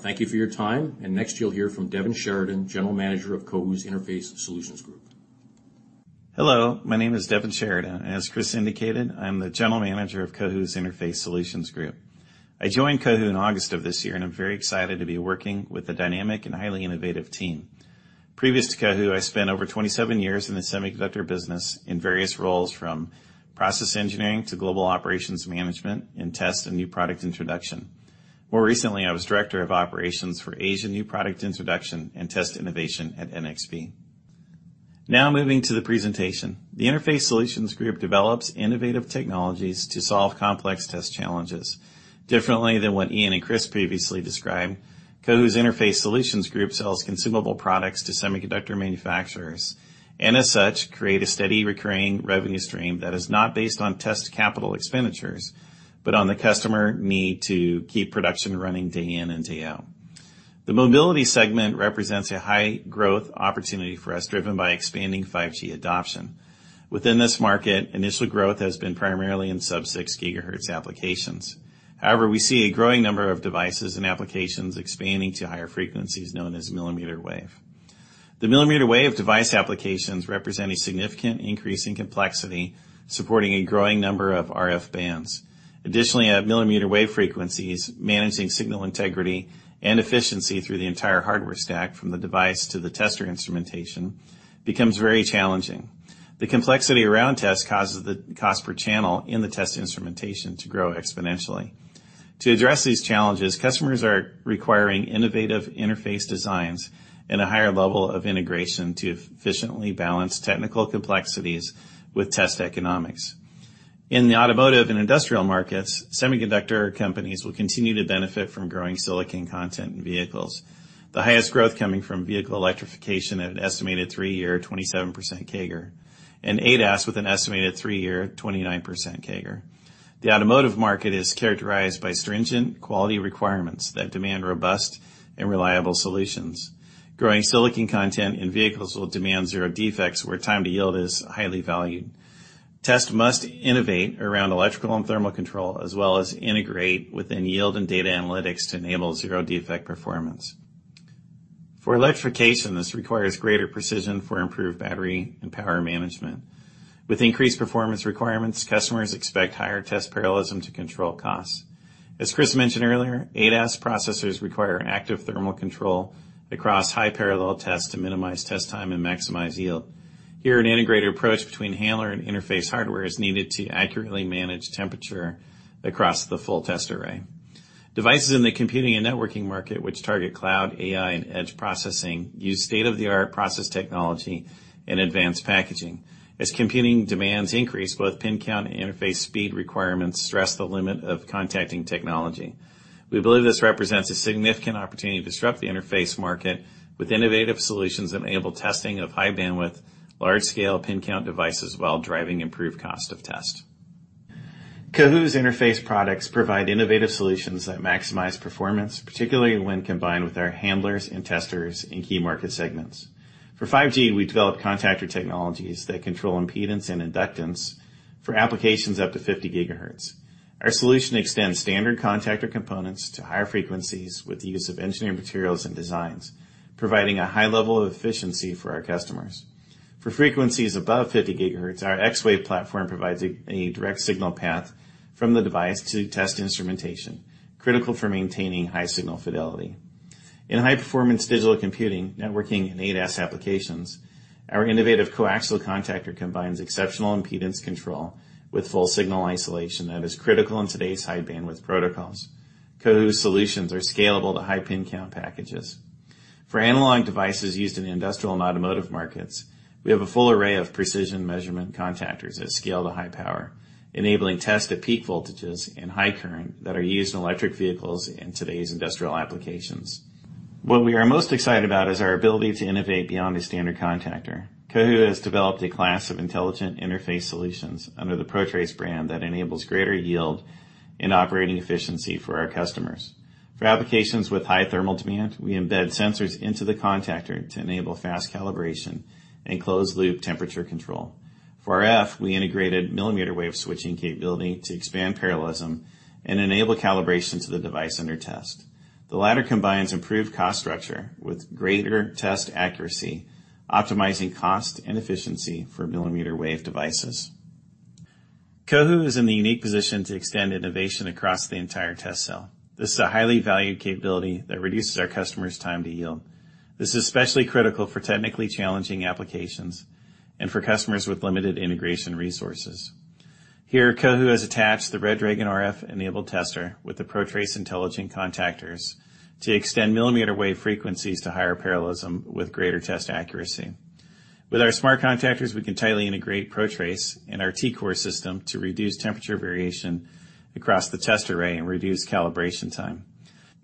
Thank you for your time, and next you'll hear from Devin Sheridan, General Manager of Cohu's Interface Solutions Group. Hello, my name is Devin Sheridan. As Chris indicated, I'm the General Manager of Cohu's Interface Solutions Group. I joined Cohu in August of this year, and I'm very excited to be working with a dynamic and highly innovative team. Previous to Cohu, I spent over 27 years in the semiconductor business in various roles, from process engineering to global operations management, and test and new product introduction. More recently, I was Director of Operations for Asia New Product Introduction and Test Innovation at NXP. Moving to the presentation. The Interface Solutions Group develops innovative technologies to solve complex test challenges. Differently than what Ian and Chris previously described, Cohu's Interface Solutions Group sells consumable products to semiconductor manufacturers, and as such, create a steady, recurring revenue stream that is not based on test capital expenditures, but on the customer need to keep production running day in and day out. The mobility segment represents a high growth opportunity for us, driven by expanding 5G adoption. Within this market, initial growth has been primarily in sub-6 GHz applications. However, we see a growing number of devices and applications expanding to higher frequencies known as millimeter wave. The millimeter wave device applications represent a significant increase in complexity, supporting a growing number of RF bands. Additionally, at millimeter wave frequencies, managing signal integrity and efficiency through the entire hardware stack, from the device to the tester instrumentation, becomes very challenging. The complexity around test causes the cost per channel in the test instrumentation to grow exponentially. To address these challenges, customers are requiring innovative interface designs and a higher level of integration to efficiently balance technical complexities with test economics. In the automotive and industrial markets, semiconductor companies will continue to benefit from growing silicon content in vehicles. The highest growth coming from vehicle electrification at an estimated three-year, 27% CAGR, and ADAS with an estimated three-year, 29% CAGR. The automotive market is characterized by stringent quality requirements that demand robust and reliable solutions. Growing silicon content in vehicles will demand zero defects, where time to yield is highly valued. Test must innovate around electrical and thermal control, as well as integrate within yield and data analytics to enable zero-defect performance. For electrification, this requires greater precision for improved battery and power management. With increased performance requirements, customers expect higher test parallelism to control costs. As Chris mentioned earlier, ADAS processors require active thermal control across high parallel tests to minimize test time and maximize yield. Here, an integrated approach between handler and interface hardware is needed to accurately manage temperature across the full test array. Devices in the computing and networking market, which target cloud, AI, and edge processing, use state-of-the-art process technology and advanced packaging. As computing demands increase, both pin count and interface speed requirements stress the limit of contacting technology. We believe this represents a significant opportunity to disrupt the interface market with innovative solutions that enable testing of high bandwidth, large scale pin count devices, while driving improved cost of test. Cohu's interface products provide innovative solutions that maximize performance, particularly when combined with our handlers and testers in key market segments. For 5G, we develop contactor technologies that control impedance and inductance for applications up to 50 GHz. Our solution extends standard contactor components to higher frequencies with the use of engineered materials and designs, providing a high level of efficiency for our customers. For frequencies above 50 GHz, our xWave platform provides a direct signal path from the device to test instrumentation, critical for maintaining high signal fidelity. In high performance digital computing, networking, and ADAS applications, our innovative coaxial contactor combines exceptional impedance control with full signal isolation that is critical in today's high bandwidth protocols. Cohu's solutions are scalable to high pin count packages. For analog devices used in industrial and automotive markets, we have a full array of precision measurement contactors that scale to high power, enabling test to peak voltages and high current that are used in electric vehicles in today's industrial applications. What we are most excited about is our ability to innovate beyond a standard contactor. Cohu has developed a class of intelligent interface solutions under the ProTrace brand that enables greater yield and operating efficiency for our customers. For applications with high thermal demand, we embed sensors into the contactor to enable fast calibration and closed loop temperature control. For RF, we integrated millimeter wave switching capability to expand parallelism and enable calibration to the device under test. The latter combines improved cost structure with greater test accuracy, optimizing cost and efficiency for millimeter wave devices. Cohu is in the unique position to extend innovation across the entire test cell. This is a highly valued capability that reduces our customers' time to yield. This is especially critical for technically challenging applications and for customers with limited integration resources. Here, Cohu has attached the RedDragon RF-enabled tester with the ProTrace intelligent contactors to extend millimeter wave frequencies to higher parallelism with greater test accuracy. With our smart contactors, we can tightly integrate ProTrace and our T-Core system to reduce temperature variation across the test array and reduce calibration time.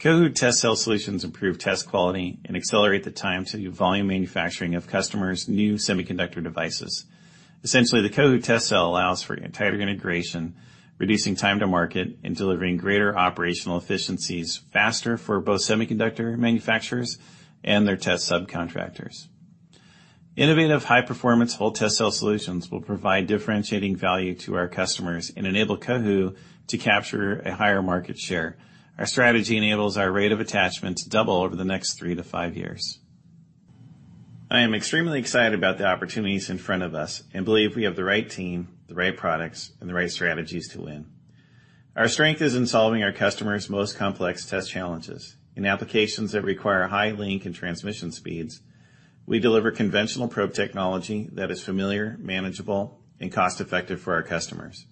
Cohu test cell solutions improve test quality and accelerate the time to volume manufacturing of customers' new semiconductor devices. Essentially, the Cohu test cell allows for tighter integration, reducing time to market, and delivering greater operational efficiencies faster for both semiconductor manufacturers and their test subcontractors. Innovative high performance full test cell solutions will provide differentiating value to our customers and enable Cohu to capture a higher market share. Our strategy enables our rate of attachment to double over the next three-five years. I am extremely excited about the opportunities in front of us and believe we have the right team, the right products, and the right strategies to win. Our strength is in solving our customers' most complex test challenges. In applications that require high link and transmission speeds, we deliver conventional probe technology that is familiar, manageable, and cost-effective for our customers.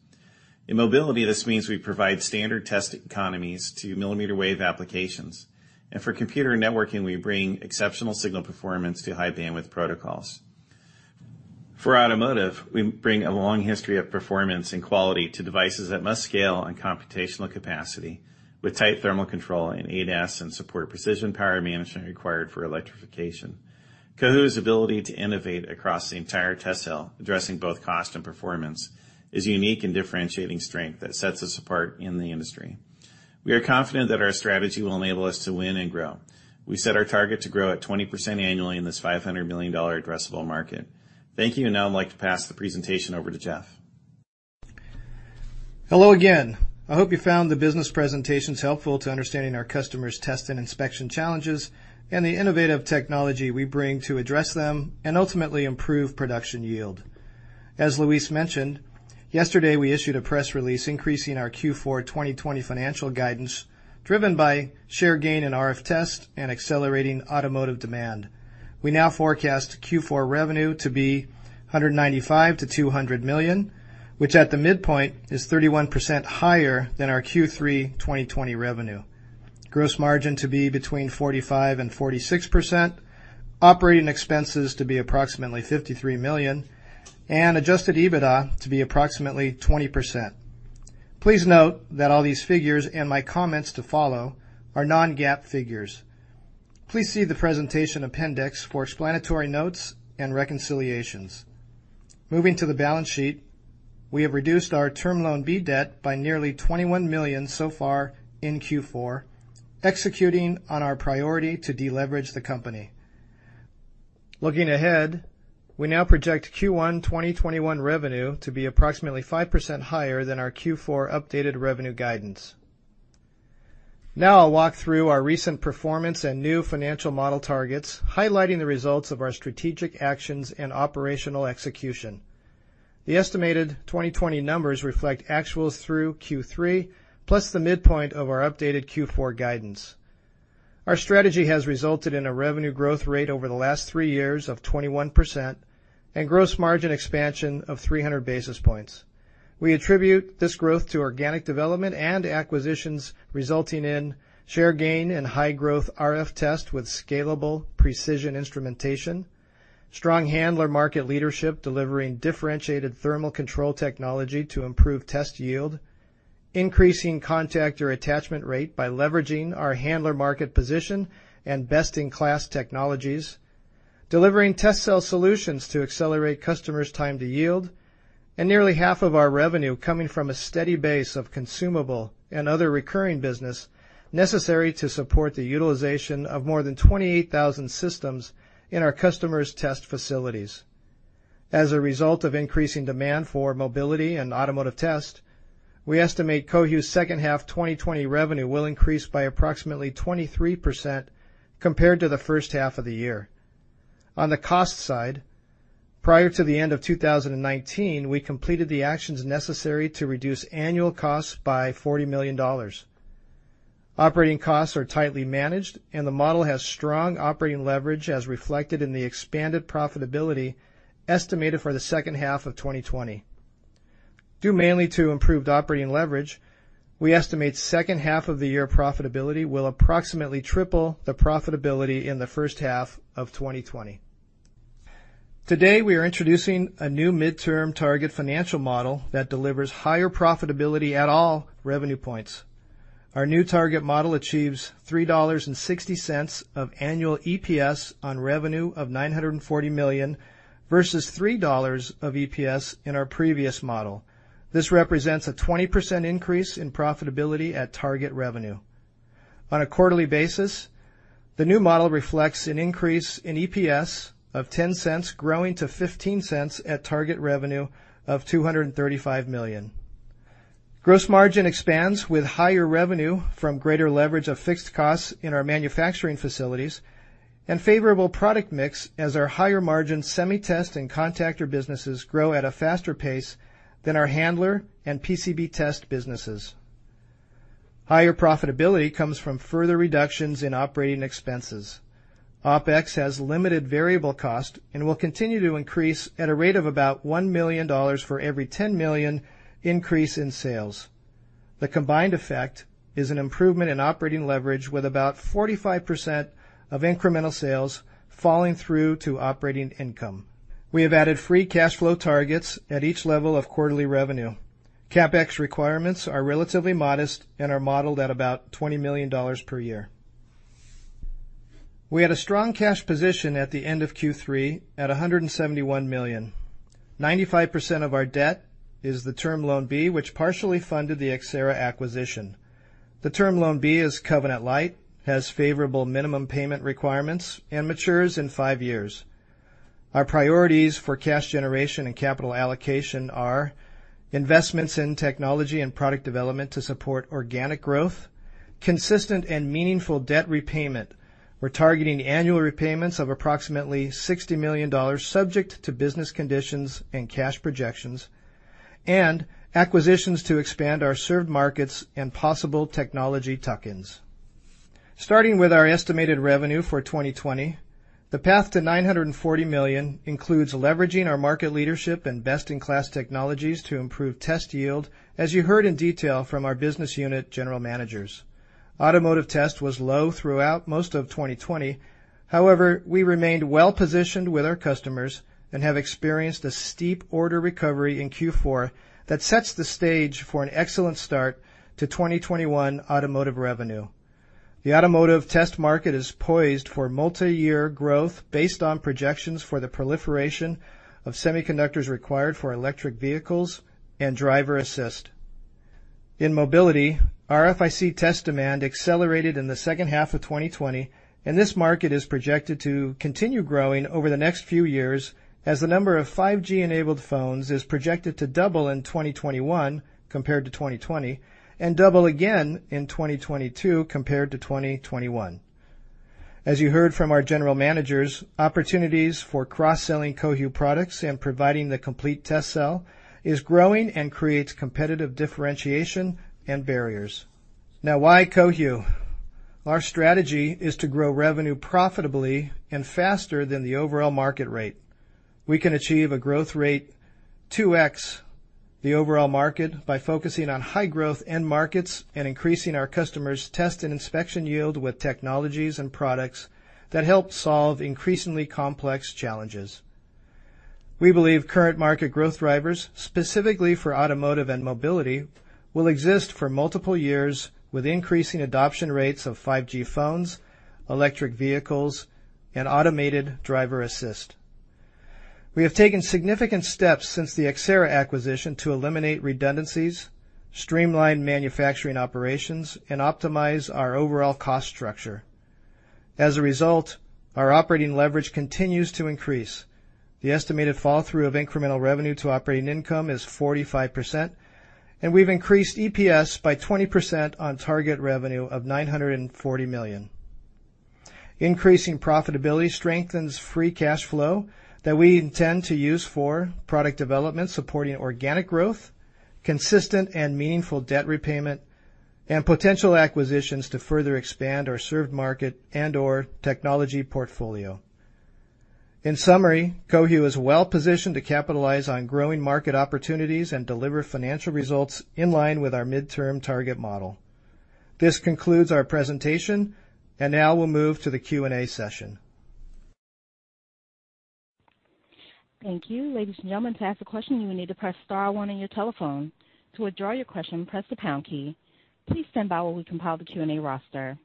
In mobility, this means we provide standard test economies to millimeter wave applications. For computer networking, we bring exceptional signal performance to high bandwidth protocols. For automotive, we bring a long history of performance and quality to devices that must scale on computational capacity with tight thermal control and ADAS, and support precision power management required for electrification. Cohu's ability to innovate across the entire test cell, addressing both cost and performance, is a unique and differentiating strength that sets us apart in the industry. We are confident that our strategy will enable us to win and grow. We set our target to grow at 20% annually in this $500 million addressable market. Now I'd like to pass the presentation over to Jeff. Hello again. I hope you found the business presentations helpful to understanding our customers' test and inspection challenges, and the innovative technology we bring to address them and ultimately improve production yield. As Luis mentioned, yesterday we issued a press release increasing our Q4 2020 financial guidance, driven by share gain in RF test and accelerating automotive demand. We now forecast Q4 revenue to be $195 million-$200 million, which at the midpoint is 31% higher than our Q3 2020 revenue. Gross margin to be between 45% and 46%. Operating expenses to be approximately $53 million. Adjusted EBITDA to be approximately 20%. Please note that all these figures and my comments to follow are non-GAAP figures. Please see the presentation appendix for explanatory notes and reconciliations. Moving to the balance sheet, we have reduced our Term Loan B debt by nearly $21 million so far in Q4, executing on our priority to deleverage the company. Looking ahead, we now project Q1 2021 revenue to be approximately 5% higher than our Q4 updated revenue guidance. Now I'll walk through our recent performance and new financial model targets, highlighting the results of our strategic actions and operational execution. The estimated 2020 numbers reflect actuals through Q3, plus the midpoint of our updated Q4 guidance. Our strategy has resulted in a revenue growth rate over the last three years of 21% and gross margin expansion of 300 basis points. We attribute this growth to organic development and acquisitions resulting in share gain and high growth RF test with scalable precision instrumentation, strong handler market leadership delivering differentiated thermal control technology to improve test yield, increasing contactor attachment rate by leveraging our handler market position and best-in-class technologies, delivering test cell solutions to accelerate customers' time to yield, and nearly half of our revenue coming from a steady base of consumable and other recurring business necessary to support the utilization of more than 28,000 systems in our customers' test facilities. As a result of increasing demand for mobility and automotive test, we estimate Cohu's second half 2020 revenue will increase by approximately 23% compared to the first half of the year. On the cost side, prior to the end of 2019, we completed the actions necessary to reduce annual costs by $40 million. Operating costs are tightly managed, and the model has strong operating leverage, as reflected in the expanded profitability estimated for the second half of 2020. Due mainly to improved operating leverage, we estimate second half of the year profitability will approximately triple the profitability in the first half of 2020. Today, we are introducing a new midterm target financial model that delivers higher profitability at all revenue points. Our new target model achieves $3.60 of annual EPS on revenue of $940 million versus $3 of EPS in our previous model. This represents a 20% increase in profitability at target revenue. On a quarterly basis, the new model reflects an increase in EPS of $0.10 growing to $0.15 at target revenue of $235 million. Gross margin expands with higher revenue from greater leverage of fixed costs in our manufacturing facilities and favorable product mix, as our higher margin semi-test and contactor businesses grow at a faster pace than our handler and PCB test businesses. Higher profitability comes from further reductions in operating expenses. OpEx has limited variable cost and will continue to increase at a rate of about $1 million for every $10 million increase in sales. The combined effect is an improvement in operating leverage with about 45% of incremental sales falling through to operating income. We have added free cash flow targets at each level of quarterly revenue. CapEx requirements are relatively modest and are modeled at about $20 million per year. We had a strong cash position at the end of Q3 at $171 million. 95% of our debt is the Term Loan B, which partially funded the Xcerra acquisition. The Term Loan B is covenant lite, has favorable minimum payment requirements, and matures in five years. Our priorities for cash generation and capital allocation are investments in technology and product development to support organic growth, consistent and meaningful debt repayment. We're targeting annual repayments of approximately $60 million, subject to business conditions and cash projections, and acquisitions to expand our served markets and possible technology tuck-ins. Starting with our estimated revenue for 2020, the path to $940 million includes leveraging our market leadership and best-in-class technologies to improve test yield, as you heard in detail from our business unit general managers. Automotive test was low throughout most of 2020. We remained well-positioned with our customers and have experienced a steep order recovery in Q4 that sets the stage for an excellent start to 2021 automotive revenue. The automotive test market is poised for multiyear growth based on projections for the proliferation of semiconductors required for electric vehicles and driver assist. In mobility, RFIC test demand accelerated in the second half of 2020, this market is projected to continue growing over the next few years as the number of 5G-enabled phones is projected to double in 2021 compared to 2020, and double again in 2022 compared to 2021. As you heard from our general managers, opportunities for cross-selling Cohu products and providing the complete test cell is growing and creates competitive differentiation and barriers. Now, why Cohu? Our strategy is to grow revenue profitably and faster than the overall market rate. We can achieve a growth rate 2x the overall market by focusing on high-growth end markets and increasing our customers' test and inspection yield with technologies and products that help solve increasingly complex challenges. We believe current market growth drivers, specifically for automotive and mobility, will exist for multiple years with increasing adoption rates of 5G phones, electric vehicles, and automated driver assist. We have taken significant steps since the Xcerra acquisition to eliminate redundancies, streamline manufacturing operations, and optimize our overall cost structure. As a result, our operating leverage continues to increase. The estimated fall-through of incremental revenue to operating income is 45%, and we've increased EPS by 20% on target revenue of $940 million. Increasing profitability strengthens free cash flow that we intend to use for product development supporting organic growth, consistent and meaningful debt repayment, and potential acquisitions to further expand our served market and/or technology portfolio. In summary, Cohu is well-positioned to capitalize on growing market opportunities and deliver financial results in line with our midterm target model. This concludes our presentation. Now we'll move to the Q&A session. Thank you, ladies and gentleman. To ask a question, you need to press star one on your telephone. To withdraw your question, press the pound key. Please stand by while we compile the Q&A roster.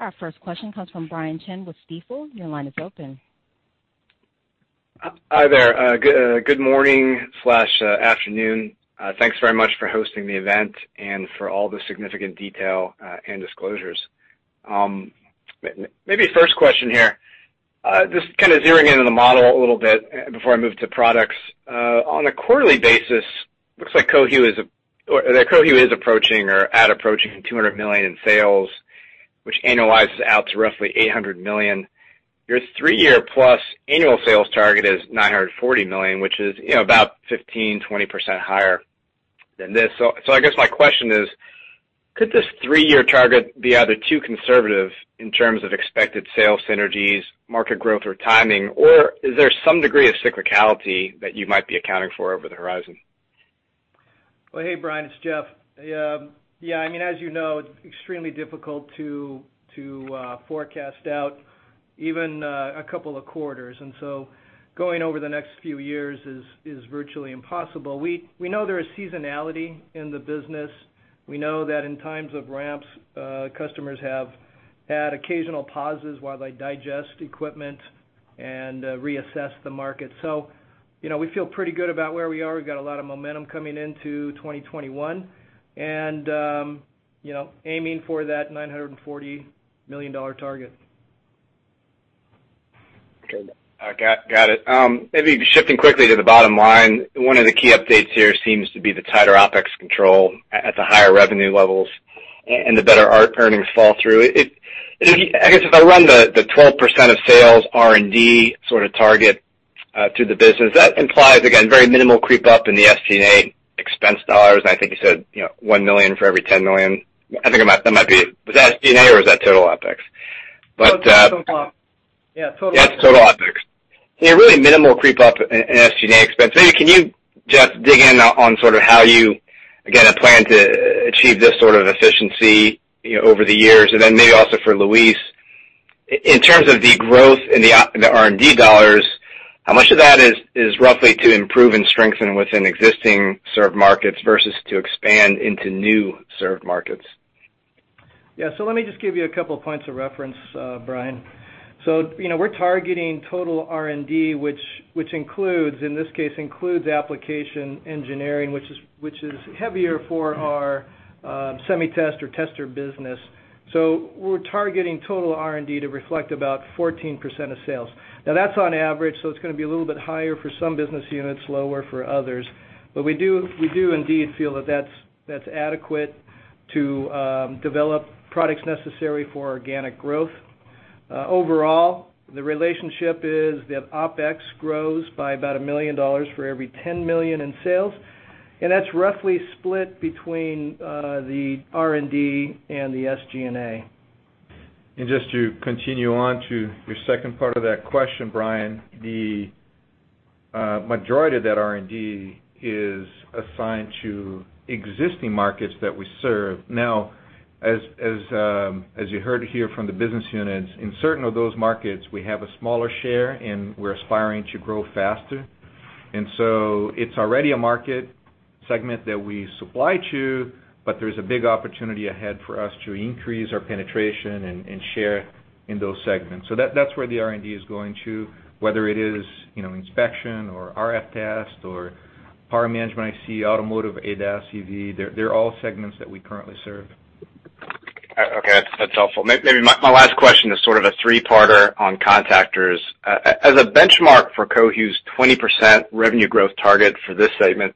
Our first question comes from Brian Chin with Stifel. Your line is open. Hi there. Good morning/afternoon. Thanks very much for hosting the event and for all the significant detail and disclosures. Maybe first question here, just kind of zeroing in on the model a little bit before I move to products. On a quarterly basis, looks like Cohu is approaching or at approaching $200 million in sales, which annualizes out to roughly $800 million. Your three-year plus annual sales target is $940 million, which is about 15%, 20% higher than this. I guess my question is, could this three-year target be either too conservative in terms of expected sales synergies, market growth, or timing, or is there some degree of cyclicality that you might be accounting for over the horizon? Well, hey, Brian, it's Jeff. Yeah, as you know, it's extremely difficult to forecast out even a couple of quarters. Going over the next few years is virtually impossible. We know there is seasonality in the business. We know that in times of ramps, customers have had occasional pauses while they digest equipment and reassess the market. We feel pretty good about where we are. We've got a lot of momentum coming into 2021, and aiming for that $940 million target. Okay. Got it. Maybe shifting quickly to the bottom line, one of the key updates here seems to be the tighter OpEx control at the higher revenue levels and the better earnings fall through. I guess if I run the 12% of sales R&D sort of target through the business, that implies, again, very minimal creep up in the SG&A expense dollars, and I think you said $1 million for every $10 million. I think that might be was that SG&A or was that total OpEx? Total Op. Yeah, total OpEx. That's total OpEx. Really minimal creep up in SG&A expense. Maybe can you, Jeff, dig in on sort of how you, again, are planning to achieve this sort of efficiency over the years, and then maybe also for Luis, in terms of the growth in the R&D dollars, how much of that is roughly to improve and strengthen within existing served markets versus to expand into new served markets? Yeah. Let me just give you a couple points of reference, Brian. We're targeting total R&D, which in this case includes application engineering, which is heavier for our semi test or tester business. We're targeting total R&D to reflect about 14% of sales. Now that's on average, so it's going to be a little bit higher for some business units, lower for others. We do indeed feel that that's adequate to develop products necessary for organic growth. Overall, the relationship is that OpEx grows by about $1 million for every $10 million in sales, and that's roughly split between the R&D and the SG&A. Just to continue on to your second part of that question, Brian, the majority of that R&D is assigned to existing markets that we serve. As you heard here from the business units, in certain of those markets, we have a smaller share and we're aspiring to grow faster. It's already a market segment that we supply to, but there's a big opportunity ahead for us to increase our penetration and share in those segments. That's where the R&D is going to, whether it is inspection or RF test or power management IC, automotive, ADAS, EV, they're all segments that we currently serve. Okay. That's helpful. My last question is sort of a three-parter on contactors. As a benchmark for Cohu's 20% revenue growth target for this segment,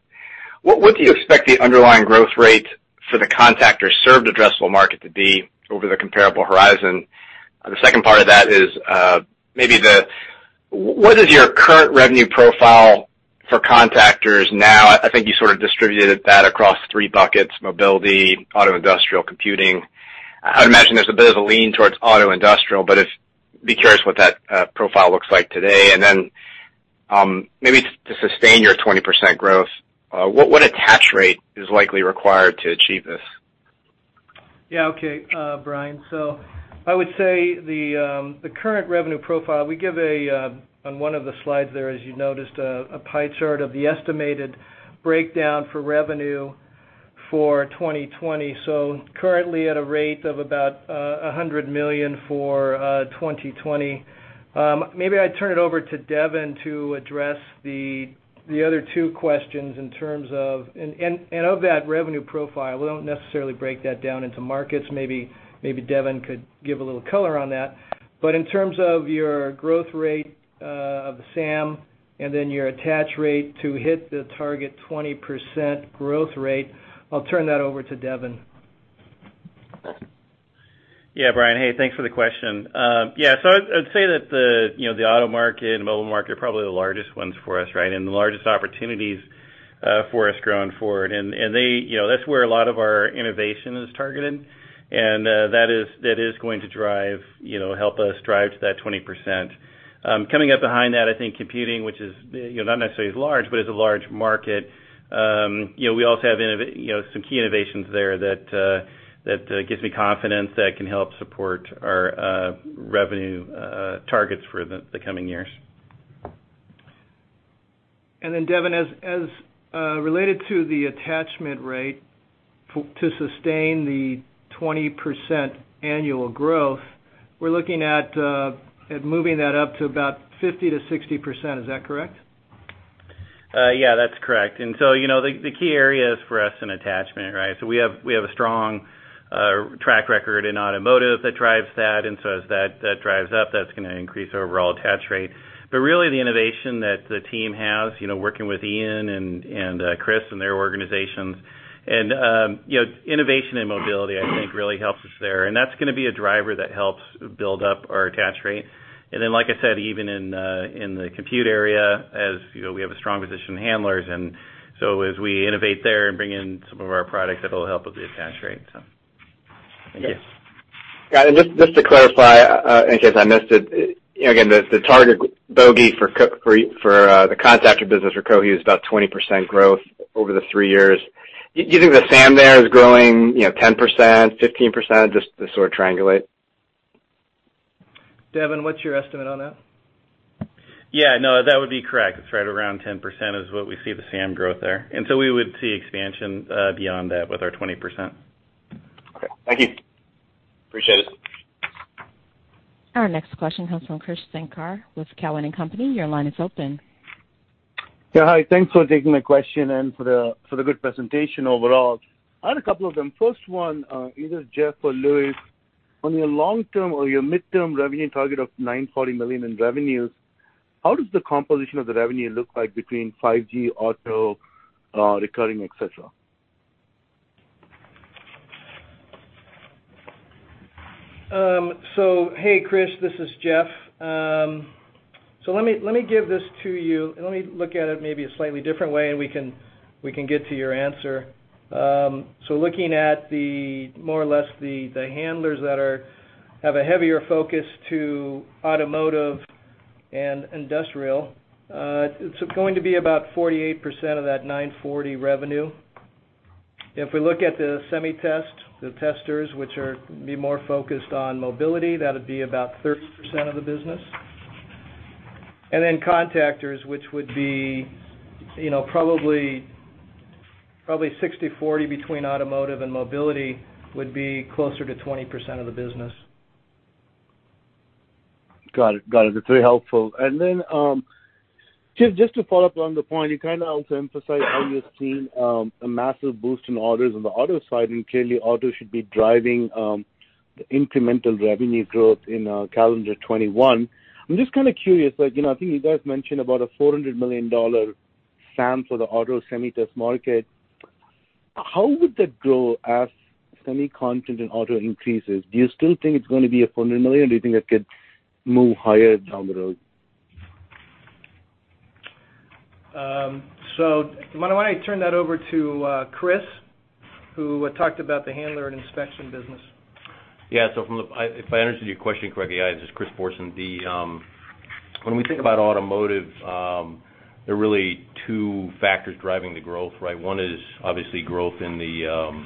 what do you expect the underlying growth rate for the contactor served addressable market to be over the comparable horizon? The second part of that is, what is your current revenue profile for contactors now? I think you sort of distributed that across three buckets, mobility, auto, industrial, computing. I would imagine there's a bit of a lean towards auto industrial, but I'd be curious what that profile looks like today. Then, maybe to sustain your 20% growth, what attach rate is likely required to achieve this? Yeah. Okay. Brian, I would say the current revenue profile, we give, on one of the slides there, as you noticed, a pie chart of the estimated breakdown for revenue for 2020. Currently at a rate of about $100 million for 2020. Maybe I'd turn it over to Devin to address the other two questions in terms of that revenue profile, we don't necessarily break that down into markets. Maybe Devin could give a little color on that. In terms of your growth rate of the SAM and then your attach rate to hit the target 20% growth rate, I'll turn that over to Devin. Yeah, Brian. Hey, thanks for the question. I'd say that the auto market and mobile market are probably the largest ones for us, right? The largest opportunities for us going forward. That's where a lot of our innovation is targeted, and that is going to help us drive to that 20%. Coming up behind that, I think computing, which is not necessarily as large, but is a large market, we also have some key innovations there that gives me confidence that it can help support our revenue targets for the coming years. Devin, as related to the attachment rate to sustain the 20% annual growth, we're looking at moving that up to about 50%-60%, is that correct? Yeah, that's correct. The key area is for us in attachment, right. We have a strong track record in automotive that drives that. As that drives up, that's going to increase our overall attach rate. Really the innovation that the team has, working with Ian and Chris and their organizations, and innovation in mobility, I think, really helps us there. That's going to be a driver that helps build up our attach rate. Like I said, even in the compute area, as we have a strong position in handlers, and so as we innovate there and bring in some of our products, that'll help with the attach rate. Thank you. Got it. Just to clarify, in case I missed it, again, the target bogey for the contactor business for Cohu is about 20% growth over the three years. Do you think the SAM there is growing 10%, 15%? Just to sort of triangulate. Devin, what's your estimate on that? Yeah, no, that would be correct. It's right around 10% is what we see the SAM growth there. We would see expansion beyond that with our 20%. Okay. Thank you. Appreciate it. Our next question comes from Krish Sankar with Cowen and Company. Your line is open. Yeah. Hi. Thanks for taking my question and for the good presentation overall. I had a couple of them. First one, either Jeff or Luis, on your long-term or your mid-term revenue target of $940 million in revenues, how does the composition of the revenue look like between 5G, auto, recurring, et cetera? Hey, Krish, this is Jeff. Let me give this to you, and let me look at it maybe a slightly different way, and we can get to your answer. Looking at more or less the handlers that have a heavier focus to automotive and industrial, it's going to be about 48% of that $940 revenue. If we look at the semi test, the testers, which are going to be more focused on mobility, that'd be about 30% of the business. Contactors, which would be probably 60/40 between automotive and mobility, would be closer to 20% of the business. Got it. Very helpful. Jeff, just to follow up on the point, you kind of also emphasized how you're seeing a massive boost in orders on the auto side, and clearly auto should be driving the incremental revenue growth in calendar 2021. I'm just kind of curious, I think you guys mentioned about a $400 million SAM for the auto semi test market. How would that grow as semi content in auto increases? Do you still think it's going to be at $400 million, or do you think it could move higher down the road? Why don't I turn that over to Chris, who talked about the handler and inspection business? Yeah. If I understood your question correctly, this is Chris Bohrson, when we think about automotive, there are really two factors driving the growth, right? One is obviously growth in the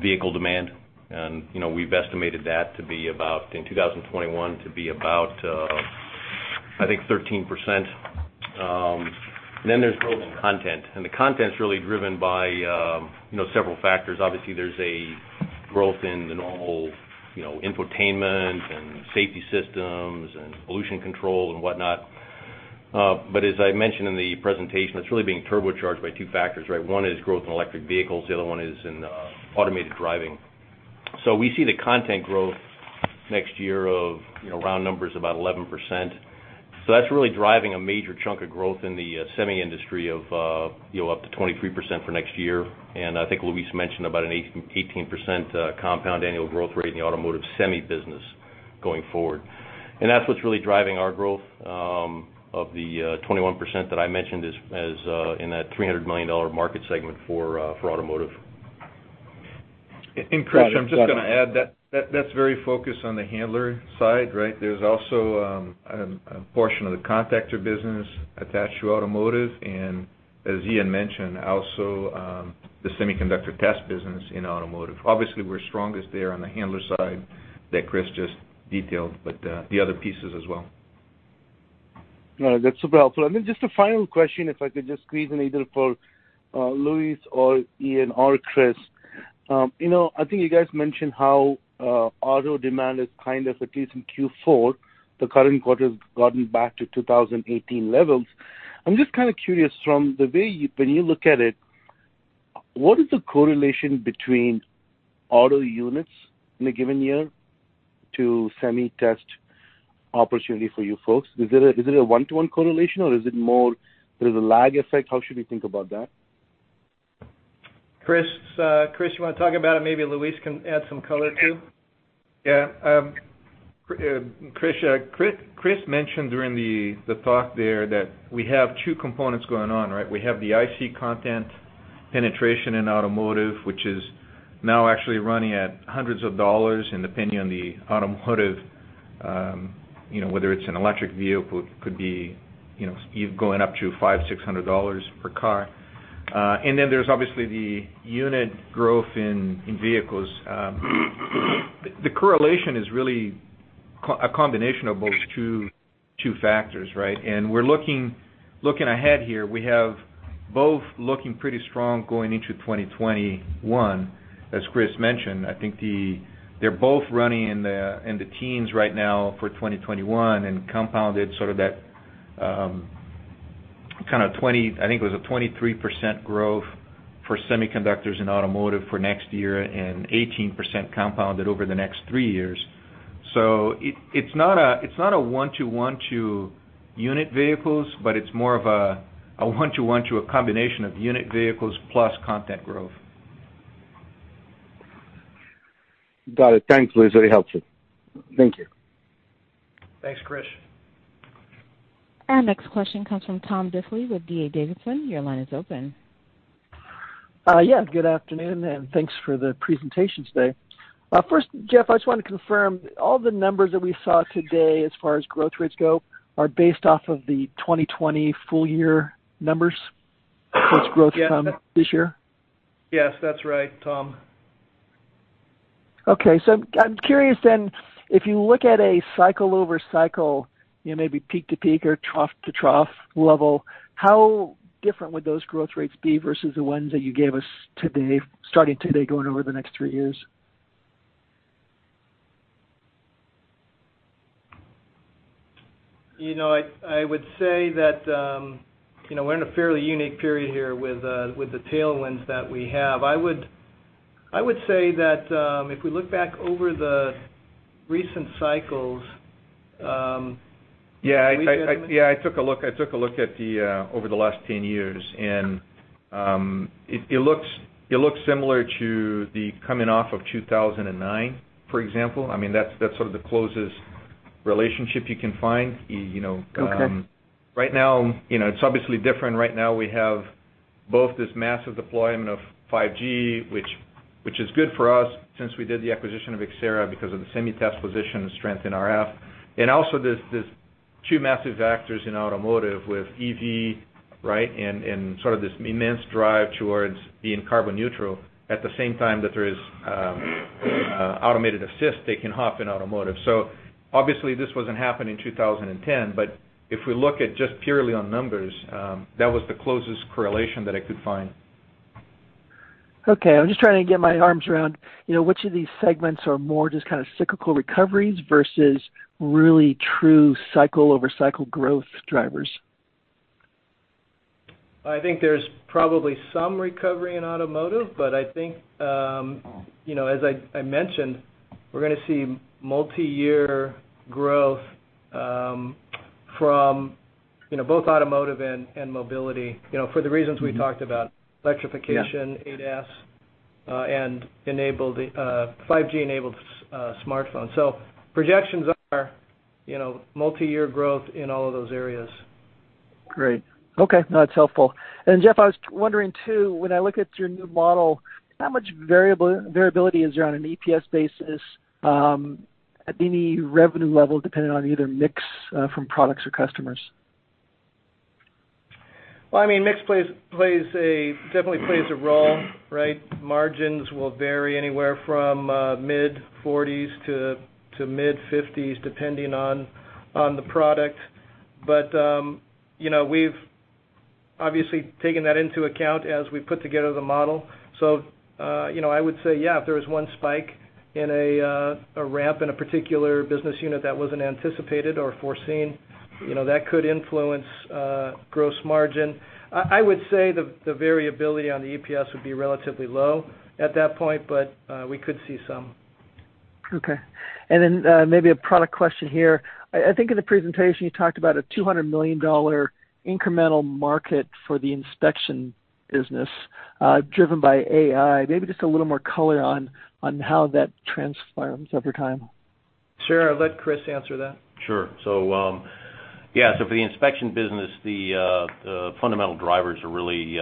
vehicle demand, and we've estimated that to be about, in 2021, to be about, I think, 13%. There's growth in content, and the content's really driven by several factors. Obviously, there's a growth in the normal infotainment and safety systems and pollution control and whatnot. As I mentioned in the presentation, it's really being turbocharged by two factors, right? One is growth in electric vehicles, the other one is in automated driving. We see the content growth next year of round numbers about 11%. That's really driving a major chunk of growth in the semi industry of up to 23% for next year, I think Luis mentioned about an 18% compound annual growth rate in the automotive semi business going forward. That's what's really driving our growth of the 21% that I mentioned in that $300 million market segment for automotive. Krish, I'm just going to add, that's very focused on the handler side, right? There's also a portion of the contactor business attached to automotive and, as Ian mentioned, also the semiconductor test business in automotive. Obviously, we're strongest there on the handler side that Chris just detailed, but the other pieces as well. No, that's super helpful. Then just a final question, if I could just squeeze in either for Luis or Ian or Chris. I think you guys mentioned how auto demand is kind of, at least in Q4, the current quarter has gotten back to 2018 levels. I'm just kind of curious from the way when you look at it, what is the correlation between auto units in a given year to semi test opportunity for you folks? Is it a one-to-one correlation or is it more there's a lag effect? How should we think about that? Chris, you want to talk about it? Maybe Luis Müller can add some color, too. Yeah. Krish, Chris mentioned during the talk there that we have two components going on, right? We have the IC content penetration in automotive, which is now actually running at hundreds of dollars, and depending on the automotive, whether it's an electric vehicle, could be going up to $500, $600 per car. There's obviously the unit growth in vehicles. The correlation is really a combination of those two factors, right? We're looking ahead here, we have both looking pretty strong going into 2021. As Chris mentioned, I think they're both running in the teens right now for 2021 and compounded sort of that 20, I think it was a 23% growth for semiconductors in automotive for next year and 18% compounded over the next three years. It's not a one-to-one to unit vehicles, but it's more of a one-to-one to a combination of unit vehicles plus content growth. Got it. Thanks, Luis. That helps it. Thank you. Thanks, Chris. Our next question comes from Tom Diffely with D.A. Davidson. Your line is open. Yeah. Good afternoon, and thanks for the presentation today. First, Jeff, I just want to confirm all the numbers that we saw today as far as growth rates go are based off of the 2020 full year numbers for growth from this year? Yes, that's right, Tom. Okay. I'm curious then, if you look at a cycle over cycle, maybe peak to peak or trough to trough level, how different would those growth rates be versus the ones that you gave us today, starting today, going over the next three years? I would say that we're in a fairly unique period here with the tailwinds that we have. I would say that, if we look back over the recent cycles. Yeah. I took a look over the last 10 years, and it looks similar to the coming off of 2009, for example. That's sort of the closest relationship you can find. Right now, it's obviously different. Right now, we have both this massive deployment of 5G, which is good for us since we did the acquisition of Xcerra because of the semi test position strength in RF. Also, there's two massive actors in automotive with EV, right? Sort of this immense drive towards being carbon neutral at the same time that there is automated assist taking off in automotive. Obviously this wasn't happening in 2010, but if we look at just purely on numbers, that was the closest correlation that I could find. Okay. I'm just trying to get my arms around which of these segments are more just kind of cyclical recoveries versus really true cycle over cycle growth drivers. I think there's probably some recovery in automotive, I think, as I mentioned, we're going to see multi-year growth from both automotive and mobility for the reasons we talked about, electrification, ADAS, and 5G-enabled smartphones. Projections are multi-year growth in all of those areas. Great. Okay. No, it's helpful. Jeff, I was wondering too, when I look at your new model, how much variability is there on an EPS basis at any revenue level, depending on either mix from products or customers? Mix definitely plays a role, right? Margins will vary anywhere from mid-40s to mid-50s, depending on the product. We've obviously taken that into account as we put together the model. I would say, yeah, if there was one spike in a ramp in a particular business unit that wasn't anticipated or foreseen, that could influence gross margin. I would say the variability on the EPS would be relatively low at that point, but we could see some. Okay. Maybe a product question here. I think in the presentation you talked about a $200 million incremental market for the inspection business driven by AI. Maybe just a little more color on how that transpires over time. Sure. I'll let Chris answer that. Sure. For the inspection business, the fundamental drivers are really,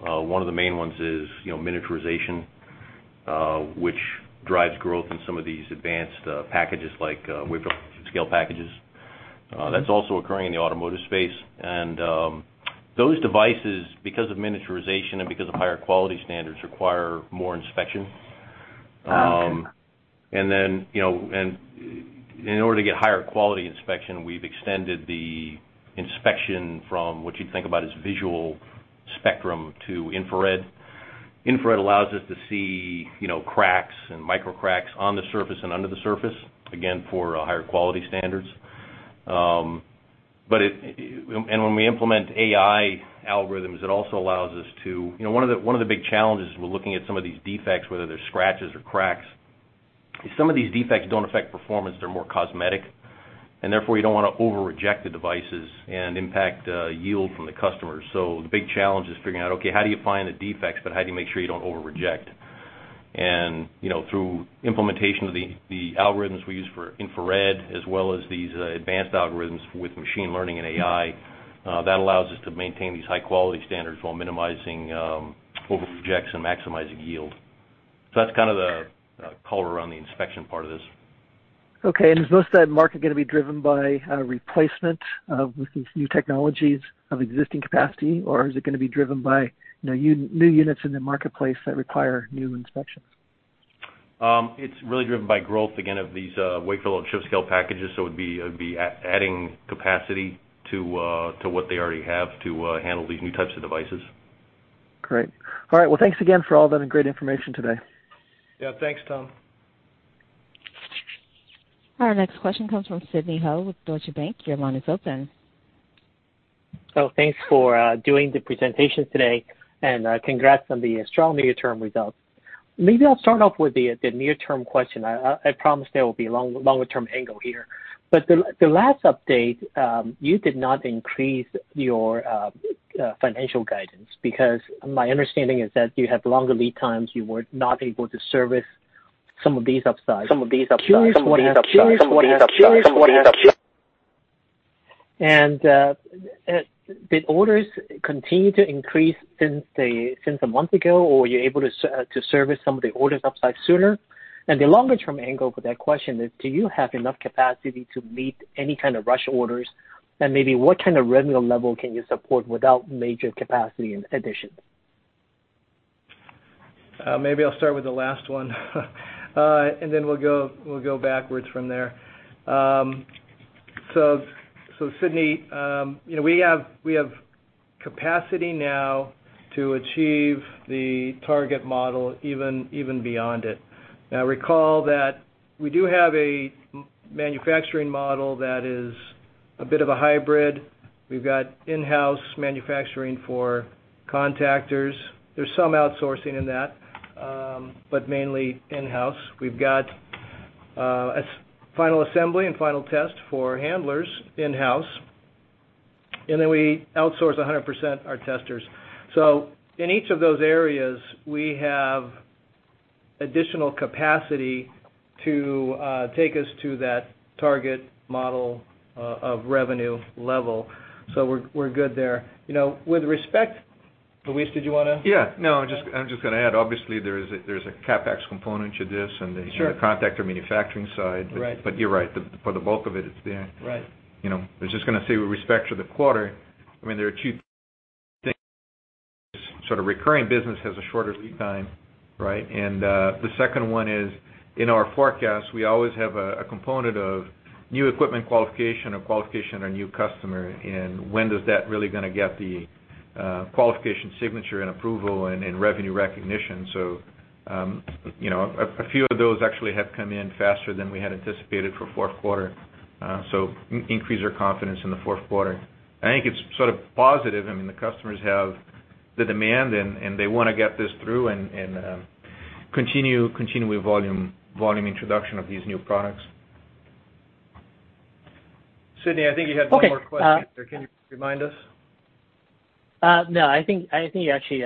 one of the main ones is miniaturization, which drives growth in some of these advanced packages like wafer scale packages. That's also occurring in the automotive space. Those devices, because of miniaturization and because of higher quality standards, require more inspection. In order to get higher quality inspection, we've extended the inspection from what you'd think about as visual spectrum to infrared. Infrared allows us to see cracks and micro cracks on the surface and under the surface, again, for higher quality standards. When we implement AI algorithms, it also allows us to. One of the big challenges is we're looking at some of these defects, whether they're scratches or cracks, some of these defects don't affect performance. They're more cosmetic, and therefore, you don't want to over-reject the devices and impact yield from the customers. The big challenge is figuring out, okay, how do you find the defects, but how do you make sure you don't over-reject? Through implementation of the algorithms we use for infrared as well as these advanced algorithms with machine learning and AI, that allows us to maintain these high-quality standards while minimizing over-rejects and maximizing yield. That's kind of the color around the inspection part of this. Okay. Is most of that market going to be driven by replacement with these new technologies of existing capacity, or is it going to be driven by new units in the marketplace that require new inspections? It's really driven by growth, again, of these wafer level chip scale packages, so it would be adding capacity to what they already have to handle these new types of devices. Great. All right. Well, thanks again for all that great information today. Yeah. Thanks, Tom. Our next question comes from Sidney Ho with Deutsche Bank. Your line is open. Thanks for doing the presentation today, and congrats on the strong near-term results. Maybe I'll start off with the near-term question. I promise there will be a longer-term angle here. The last update, you did not increase your financial guidance because my understanding is that you had longer lead times, you were not able to service some of these upsides. Curious, did orders continue to increase since a month ago, or were you able to service some of the orders upside sooner? The longer-term angle for that question is, do you have enough capacity to meet any kind of rush orders? Maybe what kind of revenue level can you support without major capacity in addition? Maybe I'll start with the last one and then we'll go backwards from there. Sidney, we have capacity now to achieve the target model, even beyond it. Recall that we do have a manufacturing model that is a bit of a hybrid. We've got in-house manufacturing for contactors. There's some outsourcing in that, but mainly in-house. We've got final assembly and final test for handlers in-house, we outsource 100% our testers. In each of those areas, we have additional capacity to take us to that target model of revenue level. We're good there. With respect Luis, did you want to. Yeah. No, I'm just going to add, obviously, there's a CapEx component to this and the contactor manufacturing side. Right. You're right. For the bulk of it's there. Right. I was just going to say, with respect to the quarter, there are two things. Sort of recurring business has a shorter lead time, right? The second one is, in our forecast, we always have a component of new equipment qualification or qualification of new customer, and when does that really going to get the qualification signature and approval and revenue recognition. A few of those actually have come in faster than we had anticipated for fourth quarter, so increased our confidence in the fourth quarter. I think it's sort of positive. The customers have the demand, and they want to get this through and continue with volume introduction of these new products. Sidney, I think you had one more question. Can you remind us? No. I think you actually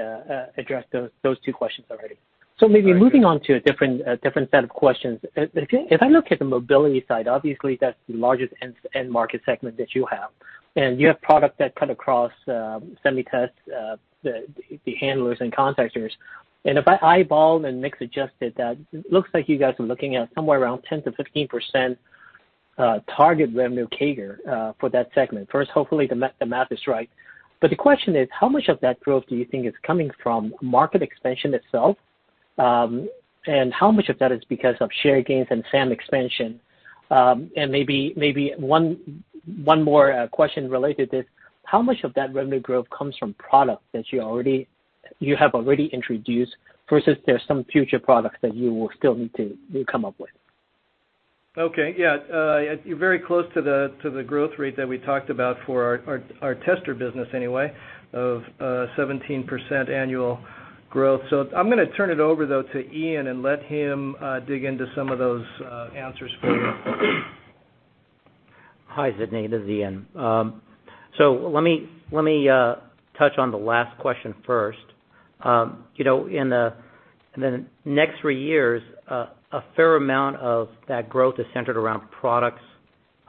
addressed those two questions already. Maybe moving on to a different set of questions. If I look at the mobility side, obviously, that's the largest end market segment that you have, and you have product that cut across semi test, the handlers and contactors. If I eyeball and mix adjusted that, looks like you guys are looking at somewhere around 10%-15% target revenue CAGR for that segment. First, hopefully the math is right. The question is, how much of that growth do you think is coming from market expansion itself? How much of that is because of share gains and SAM expansion? Maybe one more question related to this, how much of that revenue growth comes from products that you have already introduced versus there's some future products that you will still need to come up with? Okay. Yeah. You're very close to the growth rate that we talked about for our tester business anyway, of 17% annual growth. I'm going to turn it over, though, to Ian and let him dig into some of those answers for you. Hi, Sidney. This is Ian. Let me touch on the last question first. In the next three years, a fair amount of that growth is centered around products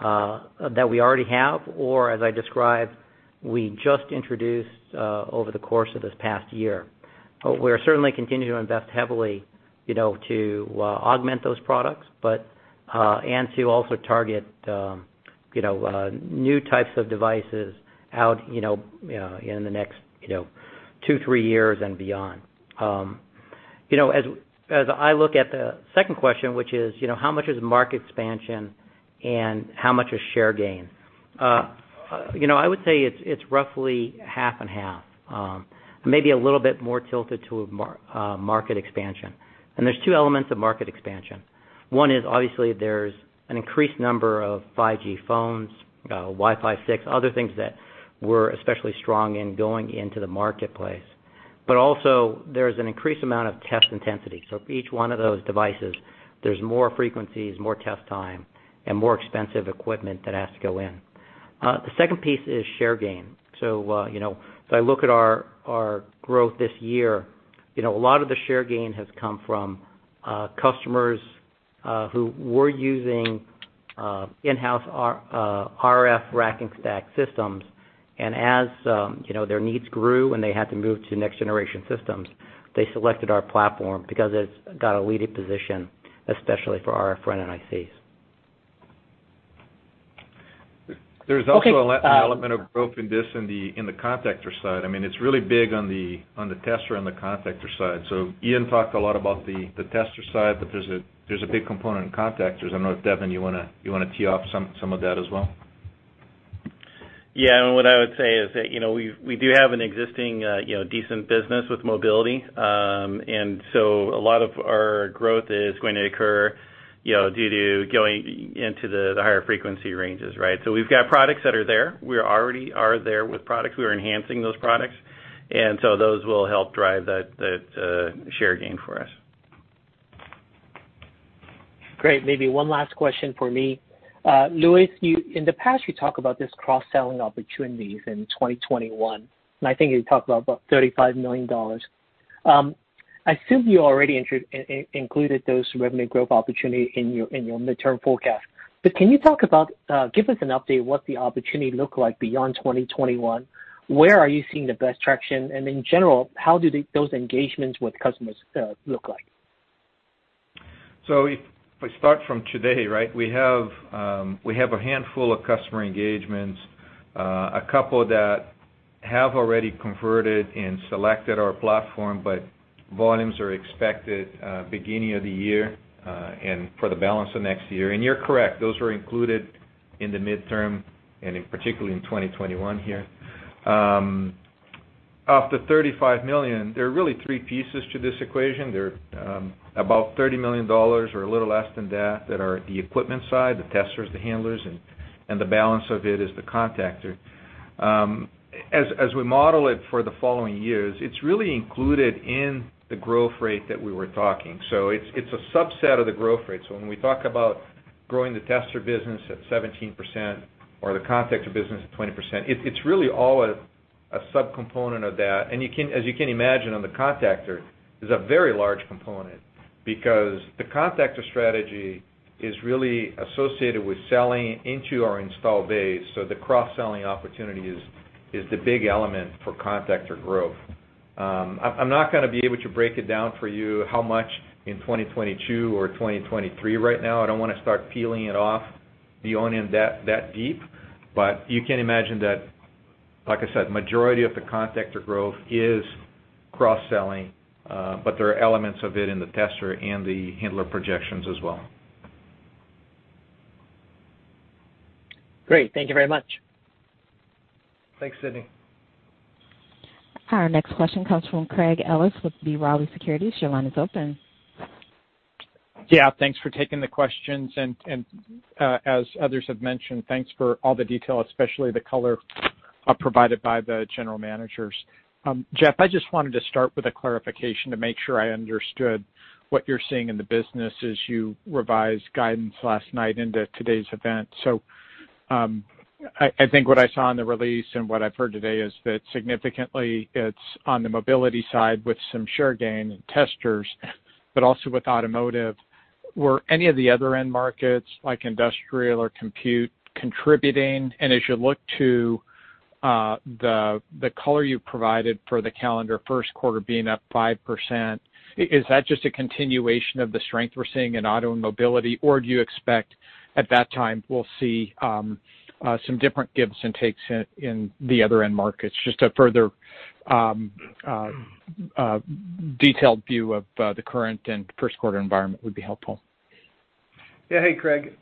that we already have, or as I described, we just introduced, over the course of this past year. We're certainly continuing to invest heavily to augment those products and to also target new types of devices out in the next two, three years and beyond. As I look at the second question, which is how much is market expansion and how much is share gain? I would say it's roughly half and half. Maybe a little bit more tilted to market expansion. There's two elements of market expansion. One is obviously there's an increased number of 5G phones, Wi-Fi 6, other things that we're especially strong in going into the marketplace. Also there's an increased amount of test intensity. For each one of those devices, there's more frequencies, more test time, and more expensive equipment that has to go in. The second piece is share gain. I look at our growth this year, a lot of the share gain has come from customers who were using in-house RF rack and stack systems. As their needs grew and they had to move to next generation systems, they selected our platform because it's got a leading position, especially for RF front-end ICs. There's also an element of growth in this in the contactor side. It's really big on the tester and the contactor side. Ian talked a lot about the tester side, there's a big component in contactors. I don't know if, Devin, you want to tee off some of that as well? Yeah. What I would say is that, we do have an existing decent business with mobility. A lot of our growth is going to occur due to going into the higher frequency ranges, right? We've got products that are there. We already are there with products. We are enhancing those products, and so those will help drive that share gain for us. Great. Maybe one last question from me. Luis, you, in the past, you talk about this cross-selling opportunities in 2021, and I think you talked about $35 million. I assume you already included those revenue growth opportunity in your midterm forecast. Give us an update what the opportunity look like beyond 2021? Where are you seeing the best traction? In general, how do those engagements with customers look like? If we start from today, right, we have a handful of customer engagements, a couple that have already converted and selected our platform, but volumes are expected beginning of the year, and for the balance of next year. You're correct, those were included in the midterm, and in particular in 2021 here. Of the $35 million, there are really three pieces to this equation. There are about $30 million or a little less than that are the equipment side, the testers, the handlers, and the balance of it is the contactor. As we model it for the following years, it's really included in the growth rate that we were talking. It's a subset of the growth rate. When we talk about growing the tester business at 17% or the contactor business at 20%, it's really all a subcomponent of that. As you can imagine on the contactor, is a very large component because the contactor strategy is really associated with selling into our install base, so the cross-selling opportunity is the big element for contactor growth. I'm not going to be able to break it down for you how much in 2022 or 2023 right now. I don't want to start peeling it off the onion that deep, but you can imagine that, like I said, majority of the contactor growth is cross-selling, but there are elements of it in the tester and the handler projections as well. Great. Thank you very much. Thanks, Sidney. Our next question comes from Craig Ellis with B. Riley Securities. Your line is open. Thanks for taking the questions, and, as others have mentioned, thanks for all the detail, especially the color provided by the general managers. Jeff, I just wanted to start with a clarification to make sure I understood what you're seeing in the business as you revised guidance last night into today's event. I think what I saw in the release and what I've heard today is that significantly it's on the mobility side with some share gain in testers, but also with automotive. Were any of the other end markets, like industrial or compute, contributing? As you look to the color you provided for the calendar first quarter being up 5%, is that just a continuation of the strength we're seeing in auto and mobility, or do you expect at that time we'll see some different gives and takes in the other end markets? Just a further detailed view of the current and first quarter environment would be helpful. Yeah. Hey, Craig.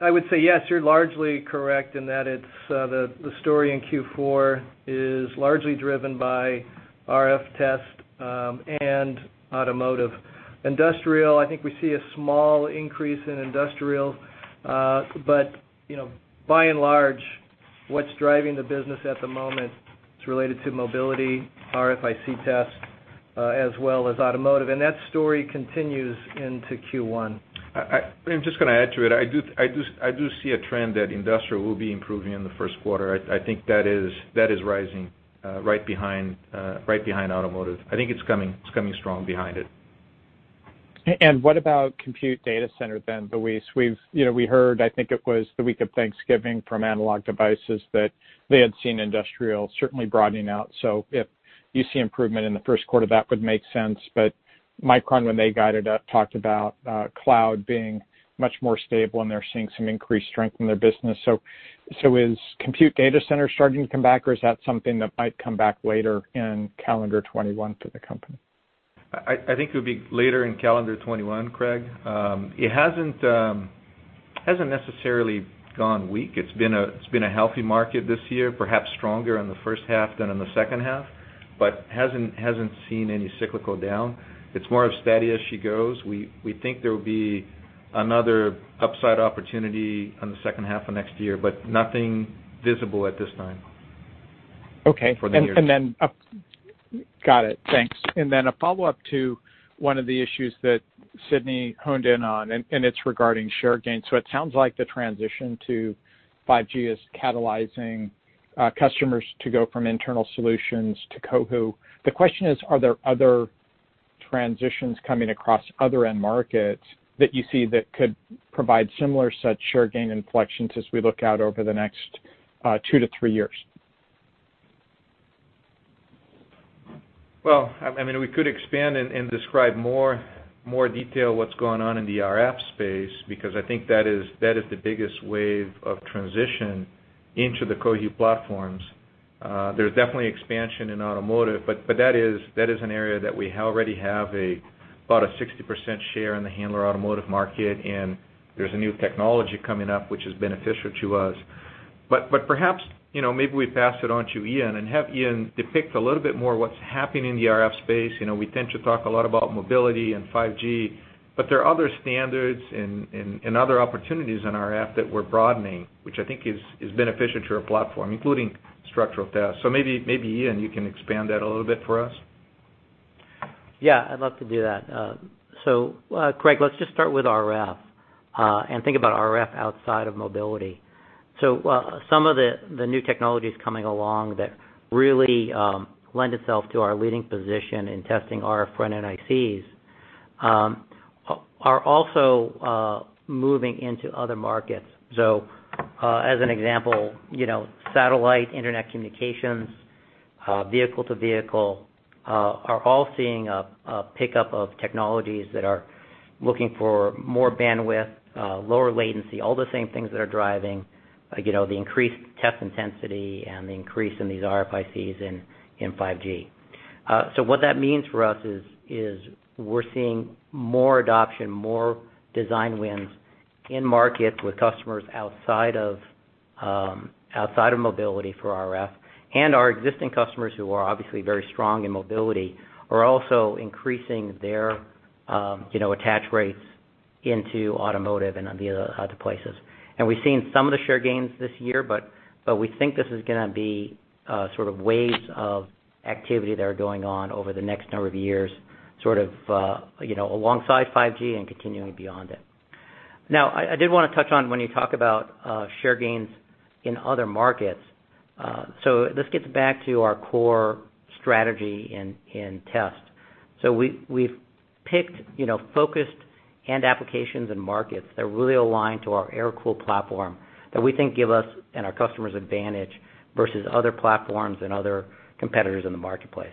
I would say yes, you're largely correct in that it's the story in Q4 is largely driven by RF test and automotive. Industrial, I think we see a small increase in industrial, but by and large, what's driving the business at the moment is related to mobility, RFIC test, as well as automotive, and that story continues into Q1. I'm just going to add to it. I do see a trend that industrial will be improving in the first quarter. I think that is rising right behind automotive. I think it's coming strong behind it. What about compute data center then, Luis? We heard, I think it was the week of Thanksgiving from Analog Devices that they had seen industrial certainly broadening out. If you see improvement in the first quarter, that would make sense. Micron, when they guided up, talked about cloud being much more stable, and they're seeing some increased strength in their business. Is compute data center starting to come back, or is that something that might come back later in calendar 2021 for the company? I think it would be later in calendar 2021, Craig. It hasn't necessarily gone weak. It's been a healthy market this year, perhaps stronger in the first half than in the second half, but hasn't seen any cyclical down. It's more of steady as she goes. We think there will be another upside opportunity on the second half of next year, but nothing visible at this time. Okay For the near term. Got it. Thanks. Then a follow-up to one of the issues that Sidney honed in on, and it's regarding share gains. It sounds like the transition to 5G is catalyzing customers to go from internal solutions to Cohu. The question is, are there other transitions coming across other end markets that you see that could provide similar such share gain inflections as we look out over the next two-three years? We could expand and describe more detail what's going on in the RF space, because I think that is the biggest wave of transition into the Cohu platforms. There's definitely expansion in automotive, but that is an area that we already have about a 60% share in the handler automotive market, and there's a new technology coming up, which is beneficial to us. Perhaps, maybe we pass it on to Ian and have Ian depict a little bit more what's happening in the RF space. We tend to talk a lot about mobility and 5G, but there are other standards and other opportunities in RF that we're broadening, which I think is beneficial to our platform, including structural tests. Maybe, Ian, you can expand that a little bit for us. Yeah, I'd love to do that. Craig, let's just start with RF, and think about RF outside of mobility. Some of the new technologies coming along that really lend itself to our leading position in testing RF front-end ICs are also moving into other markets. As an example, satellite, internet communications, vehicle-to-vehicle are all seeing a pickup of technologies that are looking for more bandwidth, lower latency, all the same things that are driving the increased test intensity and the increase in these RF ICs in 5G. What that means for us is we're seeing more adoption, more design wins in markets with customers outside of mobility for RF. Our existing customers, who are obviously very strong in mobility, are also increasing their attach rates into automotive and the other places. We've seen some of the share gains this year, but we think this is going to be waves of activity that are going on over the next number of years, alongside 5G and continuing beyond it. Now, I did want to touch on when you talk about share gains in other markets. This gets back to our core strategy in test. We've picked focused end applications and markets that really align to our AirCool platform that we think give us and our customers advantage versus other platforms and other competitors in the marketplace.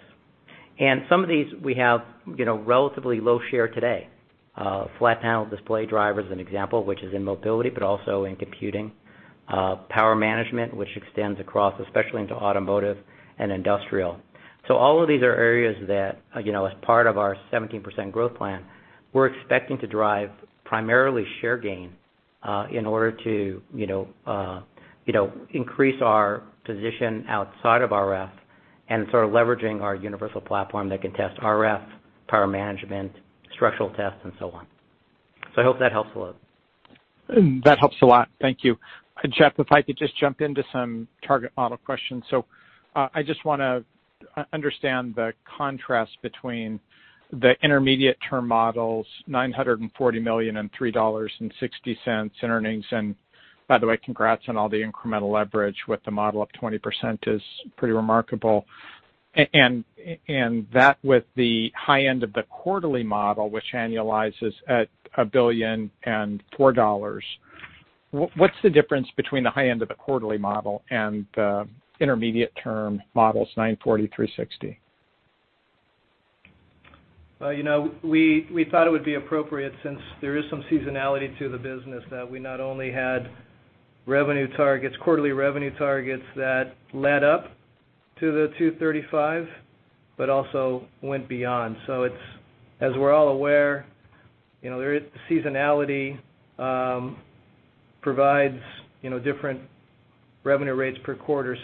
Some of these, we have relatively low share today. Flat panel display driver is an example, which is in mobility, but also in computing. Power management, which extends across, especially into automotive and industrial. All of these are areas that, as part of our 17% growth plan, we're expecting to drive primarily share gain in order to increase our position outside of RF and leveraging our universal platform that can test RF, power management, structural tests, and so on. I hope that helps a little. That helps a lot. Thank you. Jeff, if I could just jump into some target model questions. I just want to understand the contrast between the intermediate term models, $940 million and $3.60 in earnings. By the way, congrats on all the incremental leverage with the model up 20% is pretty remarkable. That with the high end of the quarterly model, which annualizes at $1 billion and $4. What's the difference between the high end of the quarterly model and the intermediate term models, $940, $3.60? We thought it would be appropriate since there is some seasonality to the business, that we not only had quarterly revenue targets that led up to the $235, but also went beyond. As we're all aware, seasonality provides different revenue rates per quarter.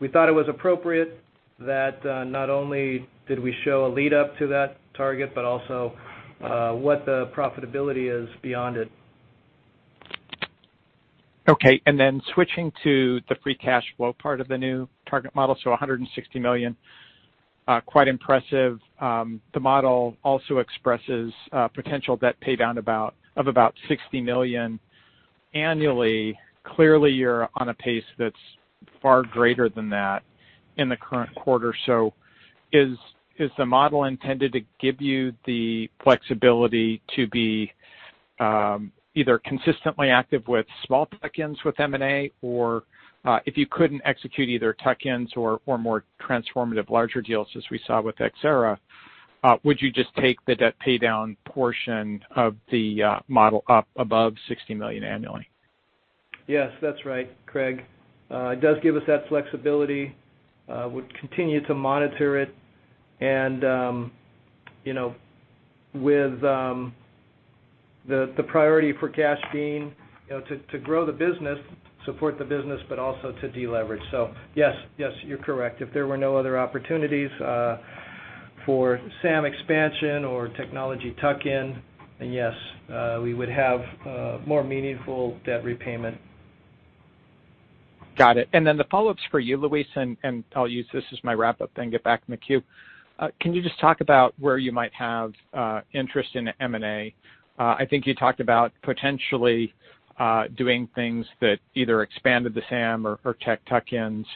We thought it was appropriate that not only did we show a lead up to that target, but also what the profitability is beyond it. Switching to the free cash flow part of the new target model. $160 million, quite impressive. The model also expresses potential debt pay down of about $60 million annually. Clearly, you're on a pace that's far greater than that in the current quarter. Is the model intended to give you the flexibility to be either consistently active with small tuck-ins with M&A, or if you couldn't execute either tuck-ins or more transformative larger deals, as we saw with Xcerra, would you just take the debt pay down portion of the model up above $60 million annually? Yes, that's right, Craig. It does give us that flexibility. We'll continue to monitor it. With the priority for cash being to grow the business, support the business, but also to deleverage. Yes, you're correct. If there were no other opportunities for SAM expansion or technology tuck-in, then yes, we would have more meaningful debt repayment. Got it. The follow-up's for you, Luis, and I'll use this as my wrap-up, then get back in the queue. Can you just talk about where you might have interest in M&A? I think you talked about potentially doing things that either expanded the SAM or tech tuck-ins.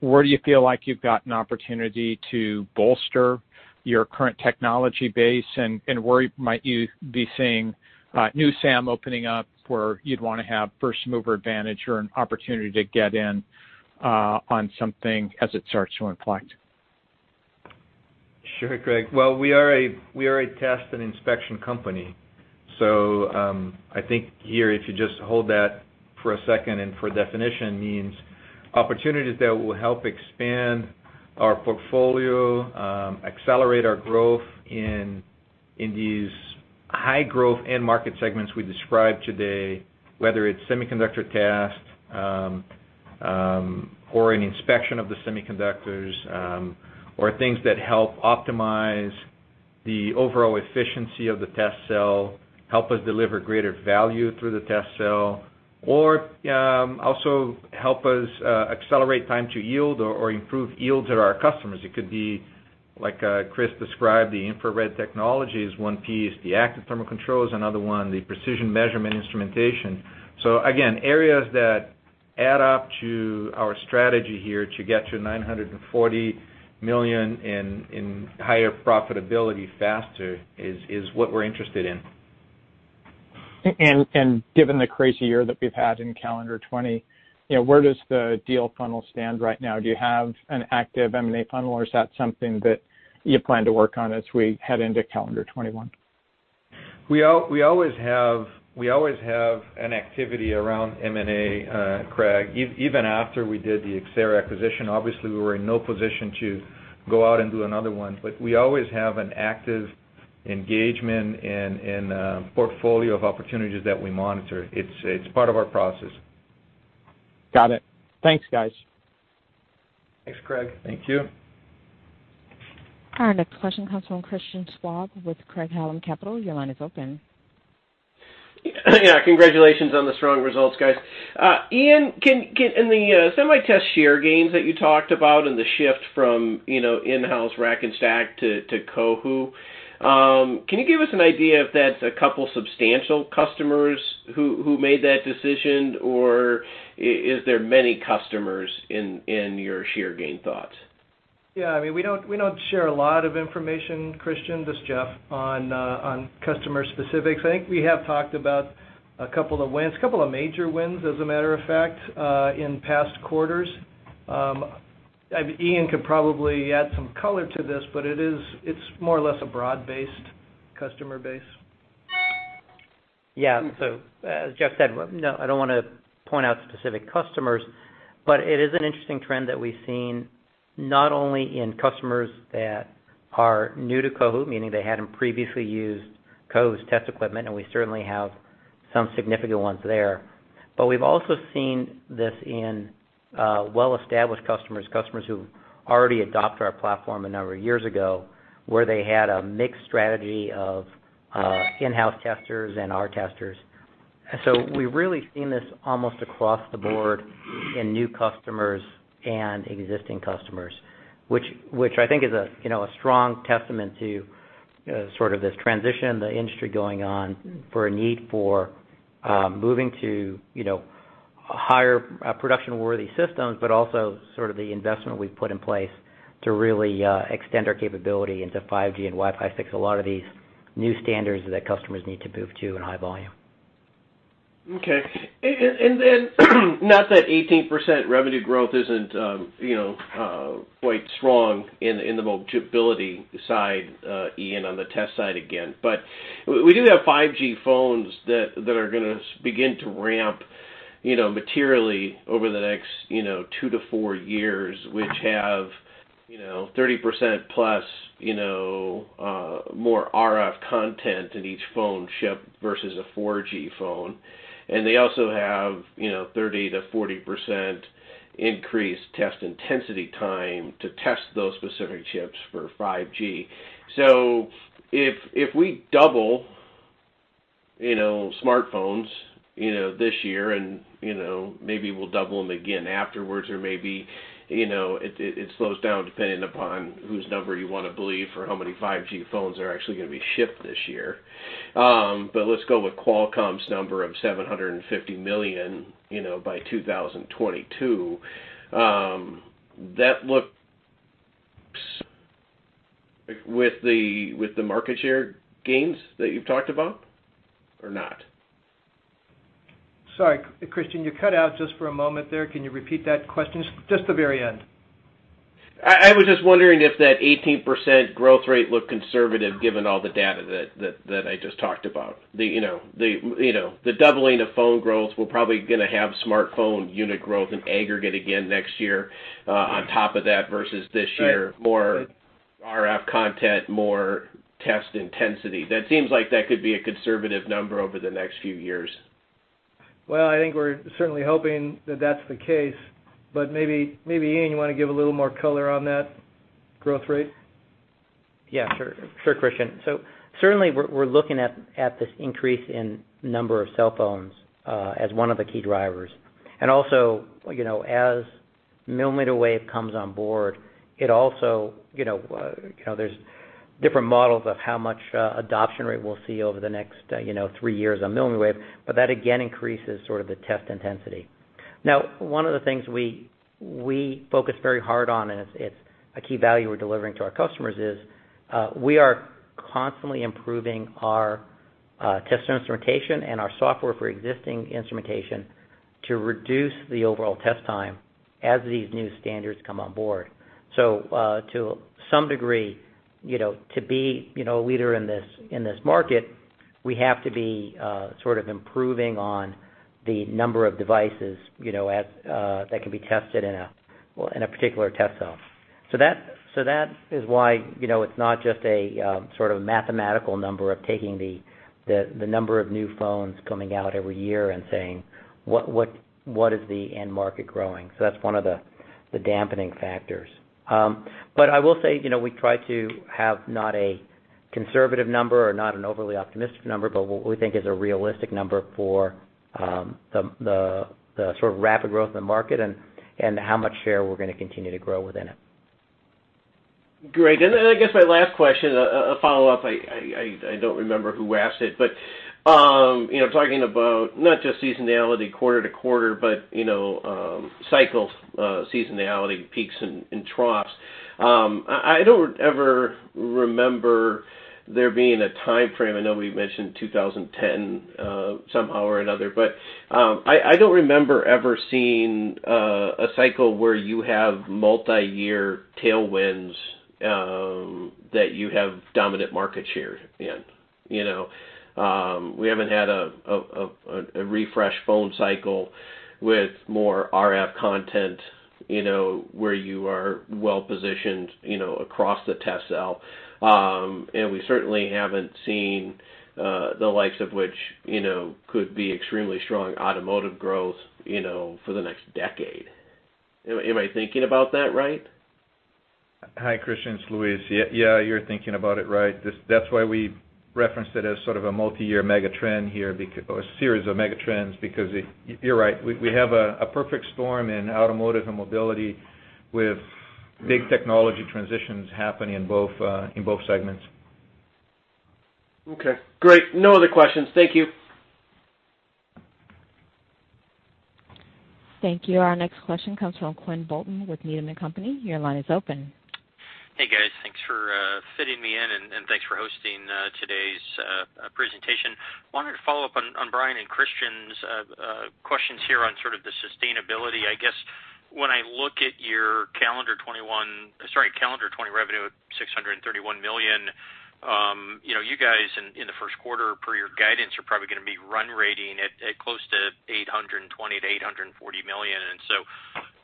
Where do you feel like you've got an opportunity to bolster your current technology base, and where might you be seeing new SAM opening up where you'd want to have first-mover advantage or an opportunity to get in on something as it starts to inflect? Sure, Craig. Well, we are a test and inspection company. I think here, if you just hold that for a second, for definition means opportunities that will help expand our portfolio, accelerate our growth in these high-growth end market segments we described today, whether it's semiconductor test, or an inspection of the semiconductors, or things that help optimize the overall efficiency of the test cell, help us deliver greater value through the test cell, or also help us accelerate time to yield or improve yields at our customers. It could be, like Chris described, the infrared technology as one piece, the active thermal control is another one, the precision measurement instrumentation. Again, areas that add up to our strategy here to get to $940 million in higher profitability faster is what we are interested in. Given the crazy year that we've had in calendar 2020, where does the deal funnel stand right now? Do you have an active M&A funnel, or is that something that you plan to work on as we head into calendar 2021? We always have an activity around M&A, Craig. Even after we did the Xcerra acquisition, obviously we were in no position to go out and do another one. We always have an active engagement and a portfolio of opportunities that we monitor. It's part of our process. Got it. Thanks, guys. Thanks, Craig. Thank you. Our next question comes from Christian Schwab with Craig-Hallum Capital. Your line is open. Yeah. Congratulations on the strong results, guys. Ian, in the SemiTest share gains that you talked about and the shift from in-house rack and stack to Cohu, can you give us an idea if that's a couple substantial customers who made that decision, or is there many customers in your share gain thoughts? Yeah. We don't share a lot of information, Christian, this is Jeff, on customer specifics. I think we have talked about a couple of wins, a couple of major wins, as a matter of fact, in past quarters. It's more or less a broad-based customer base. As Jeff said, I don't want to point out specific customers, but it is an interesting trend that we've seen not only in customers that are new to Cohu, meaning they hadn't previously used Cohu's test equipment, and we certainly have some significant ones there. We've also seen this in well-established customers who already adopted our platform a number of years ago, where they had a mixed strategy of in-house testers and our testers. We've really seen this almost across the board in new customers and existing customers, which I think is a strong testament to sort of this transition, the industry going on for a need for moving to higher production-worthy systems, but also sort of the investment we've put in place to really extend our capability into 5G and Wi-Fi 6, a lot of these new standards that customers need to move to in high volume. Okay. Not that 18% revenue growth isn't quite strong in the mobility side, Ian, on the test side again, but we do have 5G phones that are going to begin to ramp materially over the next two-four years, which have 30%+ more RF content in each phone shipped versus a 4G phone. They also have 30%-40% increased test intensity time to test those specific chips for 5G. If we double smartphones this year, and maybe we'll double them again afterwards, or maybe it slows down depending upon whose number you want to believe for how many 5G phones are actually going to be shipped this year. Let's go with Qualcomm's number of 750 million by 2022. That looks with the market share gains that you've talked about or not? Sorry, Christian, you cut out just for a moment there. Can you repeat that question? Just the very end. I was just wondering if that 18% growth rate looked conservative given all the data that I just talked about. The doubling of phone growth, we're probably going to have smartphone unit growth in aggregate again next year on top of that versus this year. More RF content, more test intensity, that seems like that could be a conservative number over the next few years. Well, I think we're certainly hoping that that's the case, but maybe, Ian, you want to give a little more color on that growth rate? Yeah, sure. Sure, Christian. Certainly, we're looking at this increase in number of cell phones as one of the key drivers. Also, as mmWave comes on board, there's different models of how much adoption rate we'll see over the next three years on mmWave, but that again increases sort of the test intensity. Now, one of the things we focus very hard on, and it's a key value we're delivering to our customers, is we are constantly improving our test instrumentation and our software for existing instrumentation to reduce the overall test time as these new standards come on board. To some degree, to be a leader in this market, we have to be sort of improving on the number of devices that can be tested in a particular test cell. That is why it's not just a sort of mathematical number of taking the number of new phones coming out every year and saying, "What is the end market growing?" That's one of the dampening factors. I will say, we try to have not a conservative number or not an overly optimistic number, but what we think is a realistic number for the sort of rapid growth in the market and how much share we're going to continue to grow within it. Great. Then I guess my last question, a follow-up, I don't remember who asked it, but talking about not just seasonality quarter to quarter, but cycle seasonality, peaks and troughs. I don't ever remember there being a timeframe, I know we mentioned 2010 somehow or another, but I don't remember ever seeing a cycle where you have multi-year tailwinds that you have dominant market share in. We haven't had a refresh phone cycle with more RF content, where you are well-positioned across the test cell. We certainly haven't seen the likes of which could be extremely strong automotive growth for the next decade. Am I thinking about that right? Hi, Christian, it's Luis. Yeah, you're thinking about it right. That's why we referenced it as sort of a multi-year mega trend here, or a series of mega trends, because you're right. We have a perfect storm in automotive and mobility with big technology transitions happening in both segments. Okay, great. No other questions. Thank you. Thank you. Our next question comes from Quinn Bolton with Needham & Company. Your line is open. Hey, guys. Thanks for fitting me in, and thanks for hosting today's presentation. Wanted to follow up on Brian and Christian's questions here on sort of the sustainability. I guess, when I look at your calendar 2020 revenue at $631 million, you guys in the first quarter per your guidance are probably going to be run rating at close to $820 million-$840 million.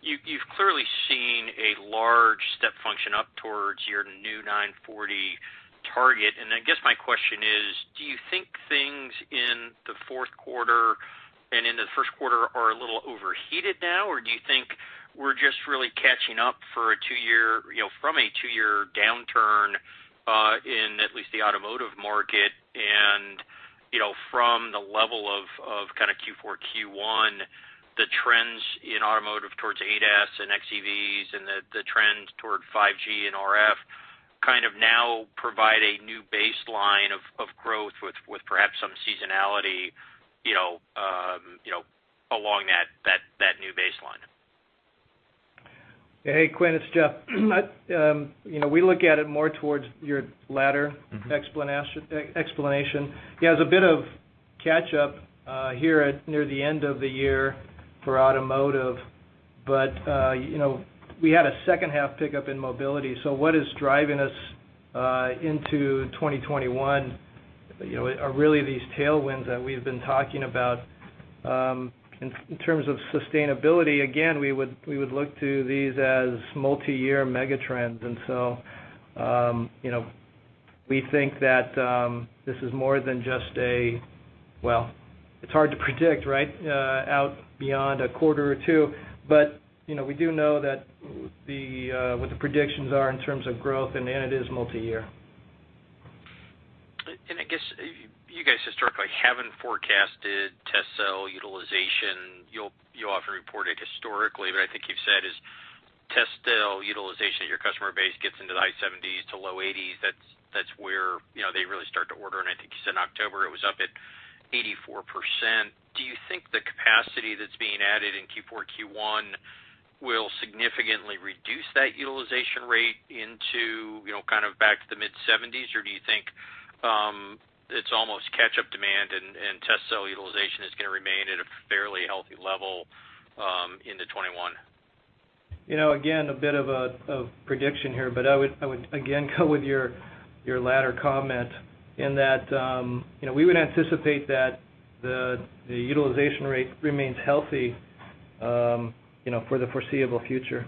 You've clearly seen a large step function up towards your new $940 million target. I guess my question is: do you think things in the fourth quarter and into the first quarter are a little overheated now? Do you think we're just really catching up from a two-year downturn in at least the automotive market and from the level of Q4, Q1, the trends in automotive towards ADAS and xEVs and the trends toward 5G and RF kind of now provide a new baseline of growth with perhaps some seasonality along that new baseline? Hey, Quinn, it's Jeff. We look at it more towards your latter explanation. It's a bit of catch up here at near the end of the year for automotive. We had a second half pickup in mobility, so what is driving us into 2021 are really these tailwinds that we've been talking about. In terms of sustainability, again, we would look to these as multi-year mega trends. We think that this is more than just a Well, it's hard to predict out beyond a quarter or two, but we do know what the predictions are in terms of growth, and it is multi-year. I guess you guys historically haven't forecasted test cell utilization. You often report it historically, but I think you've said is test cell utilization at your customer base gets into the high 70s to low 80s, that's where they really start to order. I think you said October it was up at 84%. Do you think the capacity that's being added in Q4, Q1 will significantly reduce that utilization rate into kind of back to the mid-70s? Do you think it's almost catch-up demand and test cell utilization is going to remain at a fairly healthy level into 2021? Again, a bit of a prediction here, but I would again go with your latter comment in that we would anticipate that the utilization rate remains healthy for the foreseeable future.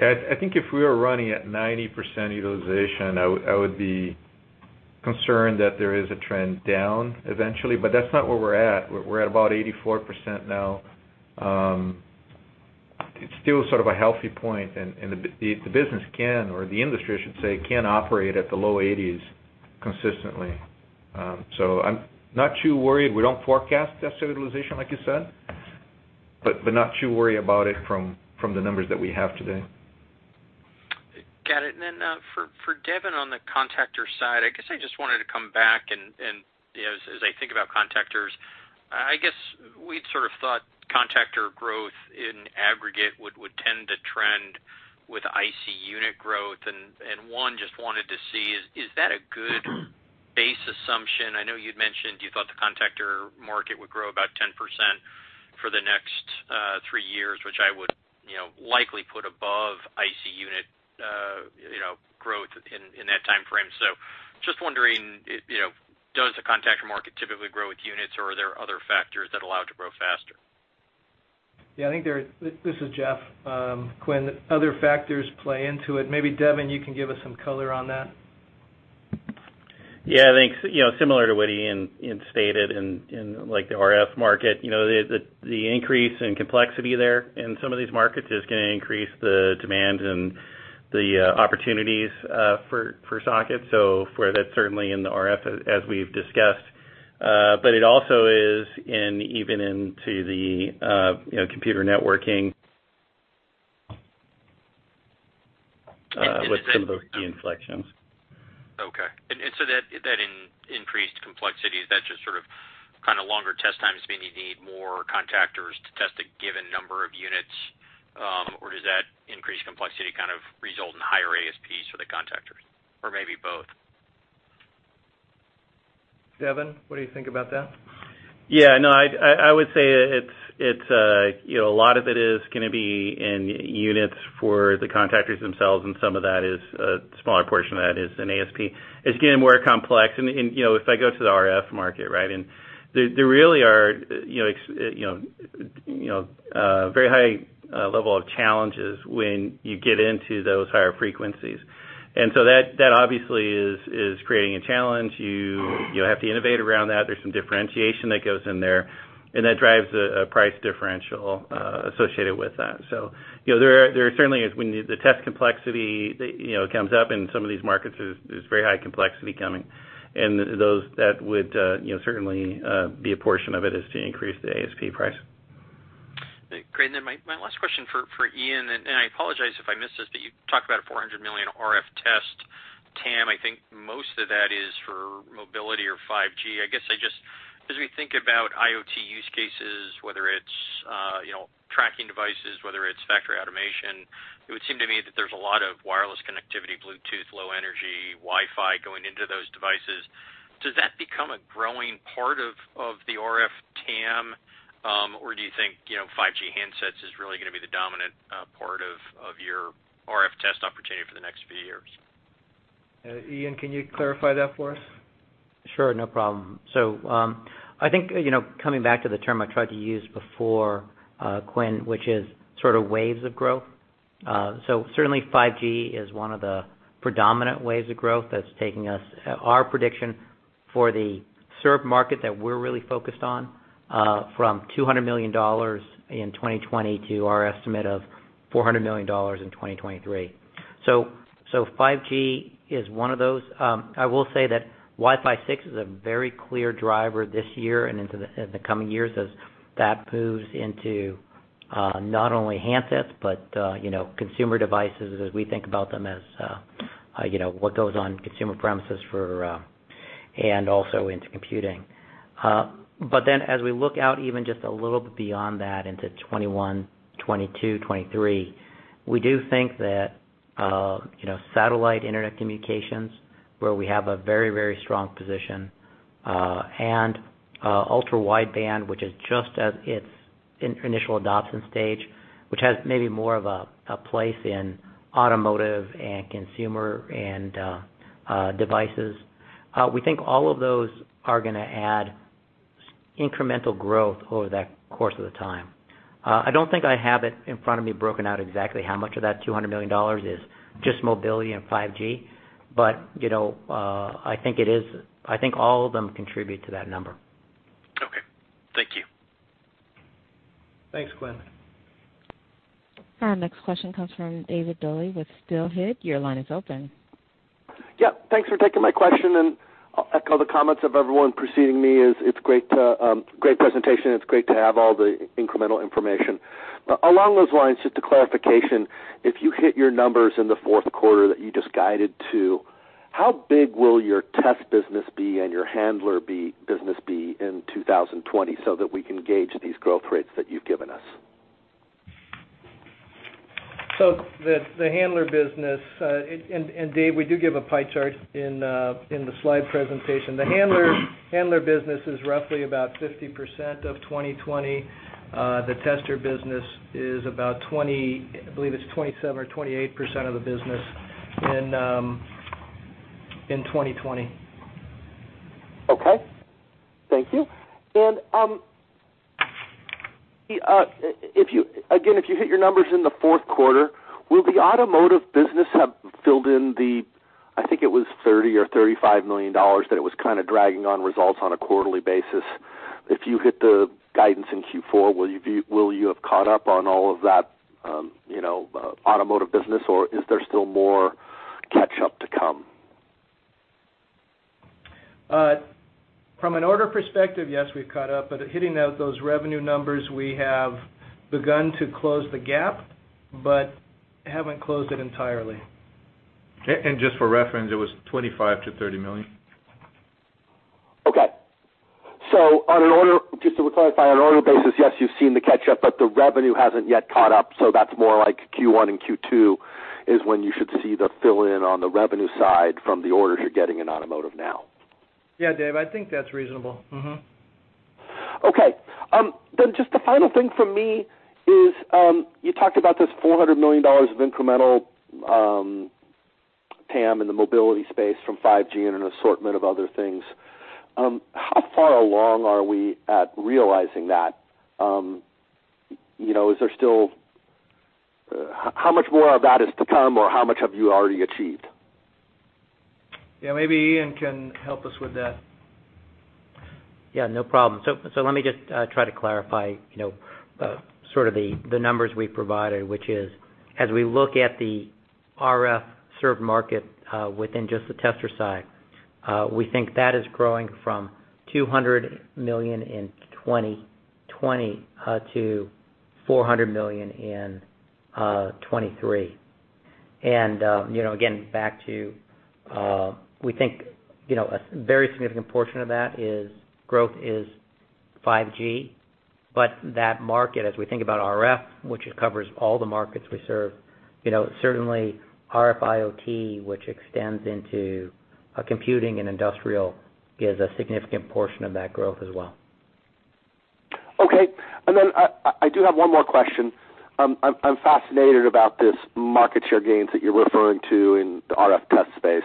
Yeah, I think if we were running at 90% utilization, I would be concerned that there is a trend down eventually, but that's not where we're at. We're at about 84% now. It's still sort of a healthy point, and the business can, or the industry, I should say, can operate at the low 80s consistently. I'm not too worried. We don't forecast test utilization, like you said, but not too worried about it from the numbers that we have today. Got it. For Devin, on the contactor side, I guess I just wanted to come back and as I think about contactors, I guess we'd sort of thought contactor growth in aggregate would tend to trend with IC unit growth. Just wanted to see, is that a good base assumption? I know you'd mentioned you thought the contactor market would grow about 10% for the next three years, which I would likely put above IC unit growth in that timeframe. Just wondering, does the contactor market typically grow with units, or are there other factors that allow it to grow faster? Yeah. This is Jeff. Quinn, other factors play into it. Maybe Devin, you can give us some color on that. Yeah. I think, similar to what Ian stated in the RF market, the increase in complexity there in some of these markets is going to increase the demand and the opportunities for sockets. For that, certainly in the RF, as we've discussed. It also is, even into the computer networking, with some of the inflections. Okay. That increased complexity, is that just sort of longer test times meaning you need more contactors to test a given number of units? Does that increased complexity kind of result in higher ASPs for the contactors, or maybe both? Devin, what do you think about that? Yeah. I would say a lot of it is going to be in units for the contactors themselves, and some of that is, a smaller portion of that is in ASP. It's getting more complex, and if I go to the RF market, there really are very high level of challenges when you get into those higher frequencies. That obviously is creating a challenge. You have to innovate around that. There's some differentiation that goes in there, and that drives a price differential associated with that. There certainly is, when the test complexity comes up in some of these markets, there's very high complexity coming. That would certainly be a portion of it, is the increased ASP price. Great. My last question for Ian, and I apologize if I missed this, but you talked about a $400 million RF test TAM. I think most of that is for mobility or 5G. I guess as we think about IoT use cases, whether it's tracking devices, whether it's factory automation, it would seem to me that there's a lot of wireless connectivity, Bluetooth Low Energy, Wi-Fi going into those devices. Does that become a growing part of the RF TAM? Do you think 5G handsets is really going to be the dominant part of your RF test opportunity for the next few years? Ian, can you clarify that for us? Sure. No problem. I think, coming back to the term I tried to use before, Quinn, which is sort of waves of growth. Certainly 5G is one of the predominant waves of growth that's taking us, our prediction for the served market that we're really focused on, from $200 million in 2020 to our estimate of $400 million in 2023. 5G is one of those. I will say that Wi-Fi 6 is a very clear driver this year and in the coming years as that moves into not only handsets, but consumer devices as we think about them as what goes on consumer premises for, and also into computing. As we look out even just a little beyond that into 2021, 2022, 2023, we do think that satellite internet communications, where we have a very strong position, and ultra-wideband, which is just at its initial adoption stage, which has maybe more of a place in automotive and consumer and devices. We think all of those are going to add incremental growth over that course of the time. I don't think I have it in front of me broken out exactly how much of that $200 million is just mobility and 5G. I think all of them contribute to that number. Okay. Thank you. Thanks, Quinn. Our next question comes from David Duley with Steelhead. Your line is open. Yeah. Thanks for taking my question. I'll echo the comments of everyone preceding me. It's a great presentation. It's great to have all the incremental information. Along those lines, just a clarification. If you hit your numbers in the fourth quarter that you just guided to, how big will your test business be and your handler business be in 2020 so that we can gauge these growth rates that you've given us? The handler business, and Dave, we do give a pie chart in the slide presentation. The handler business is roughly about 50% of 2020. The tester business is about 20, I believe it's 27% or 28% of the business in 2020. Okay. Thank you. And, again, if you hit your numbers in the fourth quarter, will the automotive business have filled in the, I think it was $30 million or $35 million, that it was kind of dragging on results on a quarterly basis. If you hit the guidance in Q4, will you have caught up on all of that automotive business, or is there still more catch up to come? From an order perspective, yes, we've caught up. Hitting those revenue numbers, we have begun to close the gap, but haven't closed it entirely. Just for reference, it was $25 million-$30 million. Okay. Just to clarify, on an order basis, yes, you've seen the catch up, but the revenue hasn't yet caught up, so that's more like Q1 and Q2 is when you should see the fill in on the revenue side from the orders you're getting in automotive now. Yeah, Dave, I think that's reasonable. Okay. Just the final thing from me is, you talked about this $400 million of incremental TAM in the mobility space from 5G and an assortment of other things. How far along are we at realizing that? How much more of that is to come, or how much have you already achieved? Yeah, maybe Ian can help us with that. Yeah, no problem. Let me just try to clarify the numbers we provided, which is, as we look at the RF served market, within just the tester side, we think that is growing from $200 million in 2020 to $400 million in 2023. Again, back to, we think, a very significant portion of that growth is 5G, but that market, as we think about RF, which it covers all the markets we serve, certainly RF IoT, which extends into computing and industrial, is a significant portion of that growth as well. Okay. I do have one more question. I'm fascinated about this market share gains that you're referring to in the RF test space.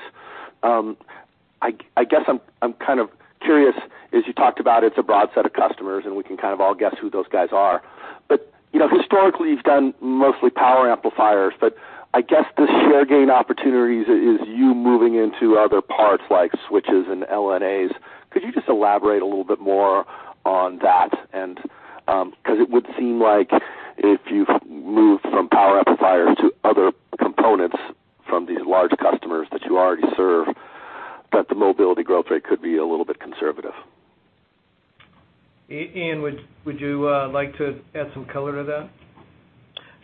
I guess I'm kind of curious, as you talked about, it's a broad set of customers, and we can kind of all guess who those guys are. Historically, you've done mostly power amplifiers, but I guess the share gain opportunities is you moving into other parts like switches and LNAs. Could you just elaborate a little bit more on that? It would seem like if you've moved from power amplifiers to other components from these large customers that you already serve, that the mobility growth rate could be a little bit conservative. Ian, would you like to add some color to that?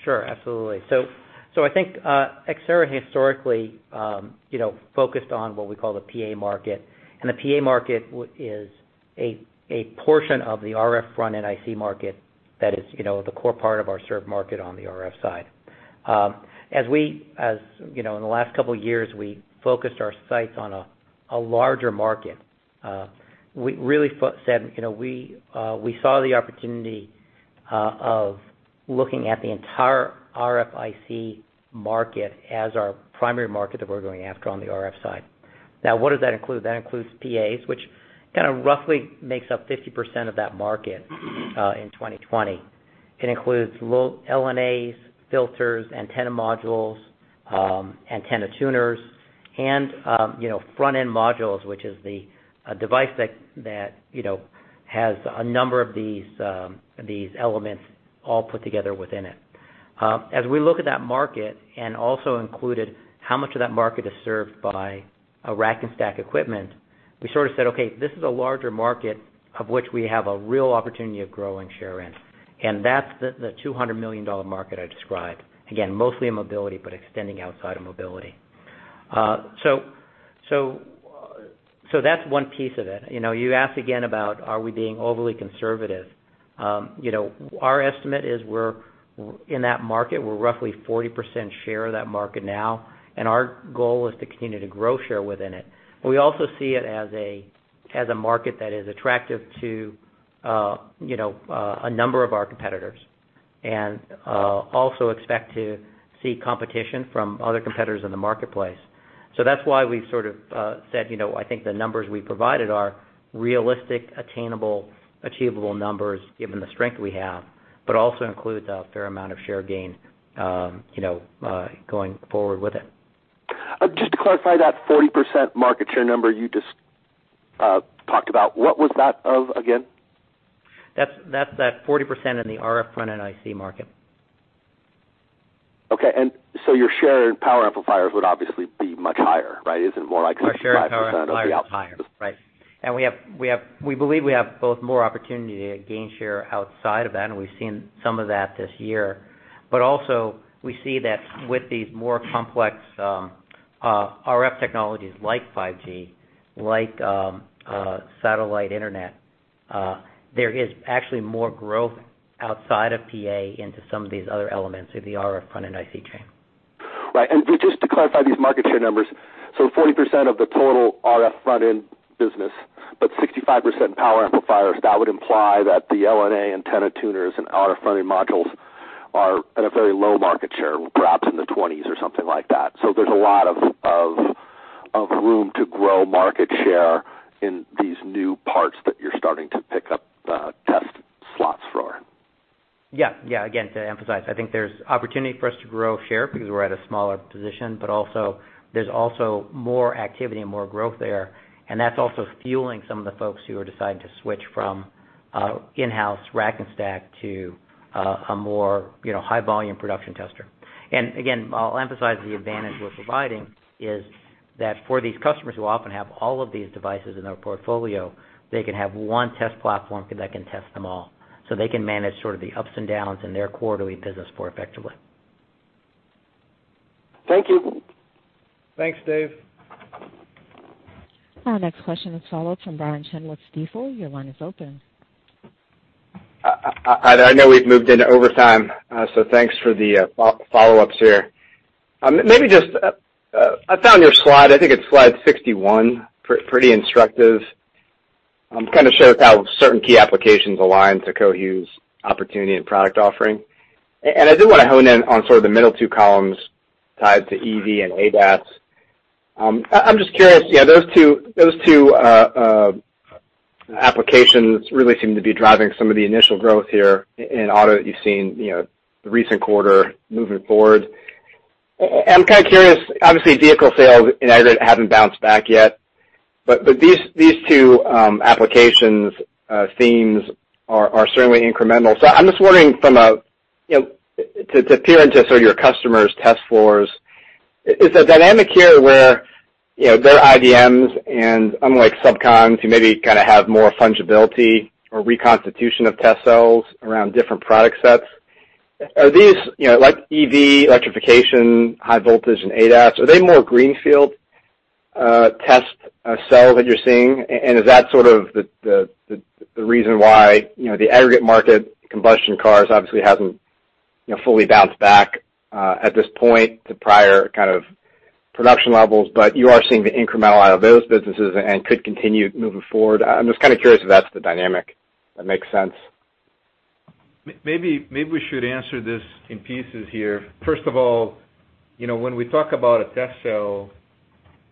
Sure, absolutely. I think Xcerra historically focused on what we call the PA market. The PA market is a portion of the RF front-end IC market that is the core part of our served market on the RF side. In the last couple of years, we focused our sights on a larger market. We saw the opportunity of looking at the entire RF IC market as our primary market that we're going after on the RF side. What does that include? That includes PAs, which kind of roughly makes up 50% of that market in 2020. It includes LNAs, filters, antenna modules, antenna tuners, and front-end modules, which is the device that has a number of these elements all put together within it. As we look at that market and also included how much of that market is served by a rack and stack equipment, we sort of said, "Okay, this is a larger market of which we have a real opportunity of growing share in." That's the $200 million market I described. Again, mostly in mobility, but extending outside of mobility. That's one piece of it. You asked again about, are we being overly conservative? Our estimate is we're in that market. We're roughly 40% share of that market now, and our goal is to continue to grow share within it. We also see it as a market that is attractive to a number of our competitors, and also expect to see competition from other competitors in the marketplace. That's why we've sort of said, I think the numbers we provided are realistic, attainable, achievable numbers given the strength we have, but also includes a fair amount of share gain going forward with it. Just to clarify that 40% market share number you just talked about, what was that of again? That's that 40% in the RF front-end IC market. Okay. Your share in power amplifiers would obviously be much higher, right? Isn't it more like 65% or the opposite? Our share in power amplifiers is higher. Right. We believe we have both more opportunity to gain share outside of that, and we've seen some of that this year. Also, we see that with these more complex RF technologies like 5G, like satellite internet, there is actually more growth outside of PA into some of these other elements of the RF front-end IC chain. Right. Just to clarify these market share numbers, 40% of the total RF front-end business, but 65% in power amplifiers, that would imply that the LNA, antenna tuners, and RF front-end modules are at a very low market share, perhaps in the 20s or something like that. There's a lot of room to grow market share in these new parts that you're starting to pick up test slots for. Yeah. Again, to emphasize, I think there's opportunity for us to grow share because we're at a smaller position, but there's also more activity and more growth there, and that's also fueling some of the folks who are deciding to switch from in-house rack and stack to a more high-volume production tester. Again, I'll emphasize the advantage we're providing is that for these customers who often have all of these devices in their portfolio, they can have one test platform that can test them all. They can manage sort of the ups and downs in their quarterly business more effectively. Thank you. Thanks, Dave. Our next question is follow-up from Brian Chin with Stifel. Your line is open. I know we've moved into overtime. Thanks for the follow-ups here. I found your slide, I think it's slide 61, pretty instructive. Kind of shows how certain key applications align to Cohu's opportunity and product offering. I do want to hone in on sort of the middle two columns tied to EV and ADAS. I'm just curious. Those two applications really seem to be driving some of the initial growth here in auto that you've seen, the recent quarter moving forward. I'm kind of curious, obviously, vehicle sales haven't bounced back yet, but these two applications themes are certainly incremental. I'm just wondering to peer into sort of your customers' test floors, is the dynamic here where their IDMs and unlike subcons who maybe kind of have more fungibility or reconstitution of test cells around different product sets? Are these, like EV electrification, high voltage and ADAS, are they more greenfield test cell that you're seeing? Is that sort of the reason why the aggregate market combustion cars obviously hasn't fully bounced back, at this point to prior kind of production levels, but you are seeing the incremental out of those businesses and could continue moving forward? I'm just kind of curious if that's the dynamic that makes sense. Maybe we should answer this in pieces here. First of all, when we talk about a test cell,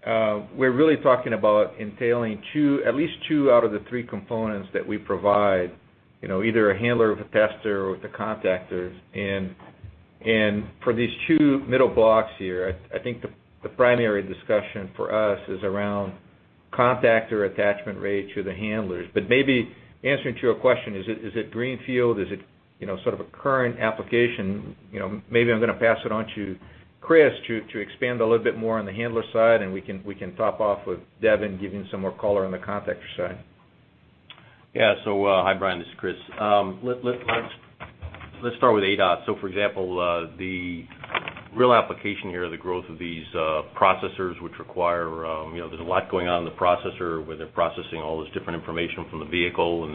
we're really talking about entailing at least two out of the three components that we provide, either a handler with a tester or with the contactors. For these two middle blocks here, I think the primary discussion for us is around contactor attachment rate to the handlers. Maybe answering to your question, is it greenfield? Is it sort of a current application? Maybe I'm going to pass it on to Chris to expand a little bit more on the handler side, and we can top off with Devin, giving some more color on the contactor side. Yeah. Hi, Brian, this is Chris. Let's start with ADAS. For example, the real application here, the growth of these processors, which require, there's a lot going on in the processor where they're processing all this different information from the vehicle, and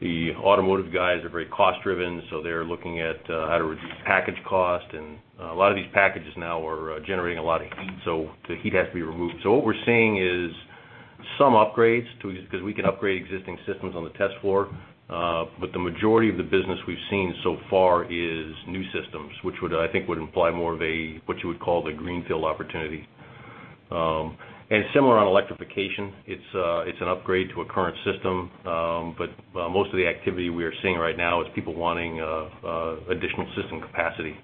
the automotive guys are very cost driven, so they're looking at how to reduce package cost. A lot of these packages now are generating a lot of heat, so the heat has to be removed. What we're seeing is some upgrades, because we can upgrade existing systems on the test floor. The majority of the business we've seen so far is new systems, which would, I think, would imply more of a what you would call the greenfield opportunity. Similar on electrification. It's an upgrade to a current system. Most of the activity we are seeing right now is people wanting additional system capacity.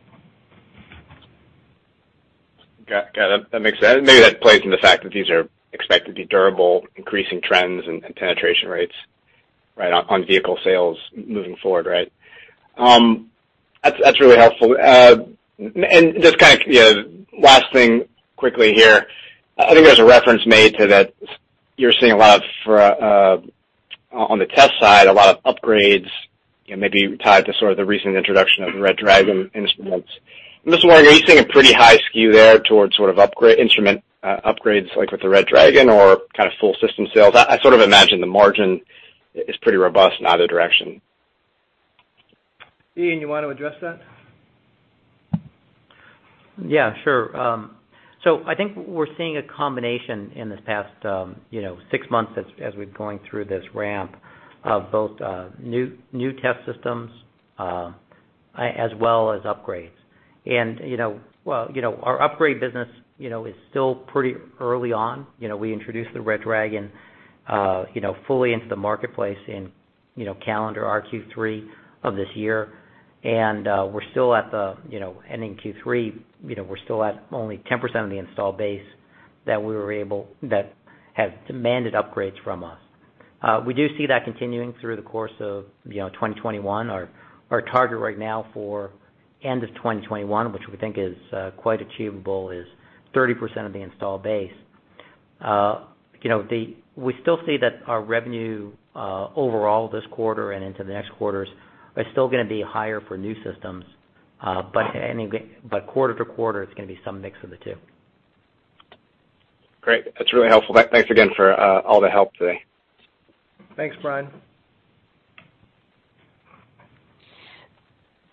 Got it. That makes sense. Maybe that plays into the fact that these are expected to be durable, increasing trends and penetration rates right on vehicle sales moving forward, right? That's really helpful. Just kind of last thing quickly here. I think there's a reference made to that you're seeing on the test side, a lot of upgrades, maybe tied to sort of the recent introduction of RedDragon instruments. I'm just wondering, are you seeing a pretty high SKU there towards sort of instrument upgrades, like with the RedDragon or kind of full system sales? I sort of imagine the margin is pretty robust in either direction. Ian, you want to address that? Yeah, sure. I think we're seeing a combination in this past six months as we're going through this ramp of both new test systems as well as upgrades. Our upgrade business is still pretty early on. We introduced the RedDragon fully into the marketplace in calendar our Q3 of this year. We're still at the ending Q3, we're still at only 10% of the install base that have demanded upgrades from us. We do see that continuing through the course of 2021. Our target right now for end of 2021, which we think is quite achievable, is 30% of the install base. We still see that our revenue, overall this quarter and into the next quarters, are still going to be higher for new systems. Quarter-to-quarter it's going to be some mix of the two. Great. That's really helpful. Thanks again for all the help today. Thanks, Brian.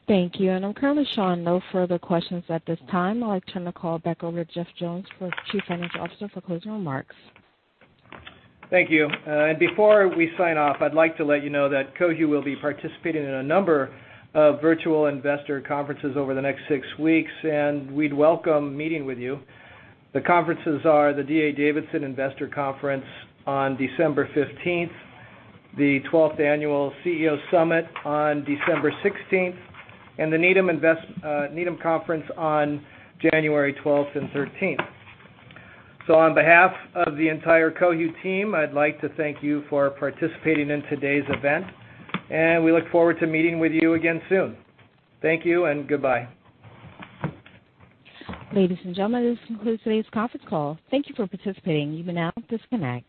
Thank you. I'm currently showing no further questions at this time. I'll turn the call back over to Jeff Jones, our Chief Financial Officer, for closing remarks. Thank you. Before we sign off, I'd like to let you know that Cohu will be participating in a number of virtual investor conferences over the next six weeks, and we'd welcome meeting with you. The conferences are the D.A. Davidson Investor Conference on December 15th, the 12th Annual CEO Summit on December 16th, and the Needham Conference on January 12th and 13th. On behalf of the entire Cohu team, I'd like to thank you for participating in today's event, and we look forward to meeting with you again soon. Thank you and goodbye. Ladies and gentlemen, this concludes today's conference call. Thank you for participating. You may now disconnect.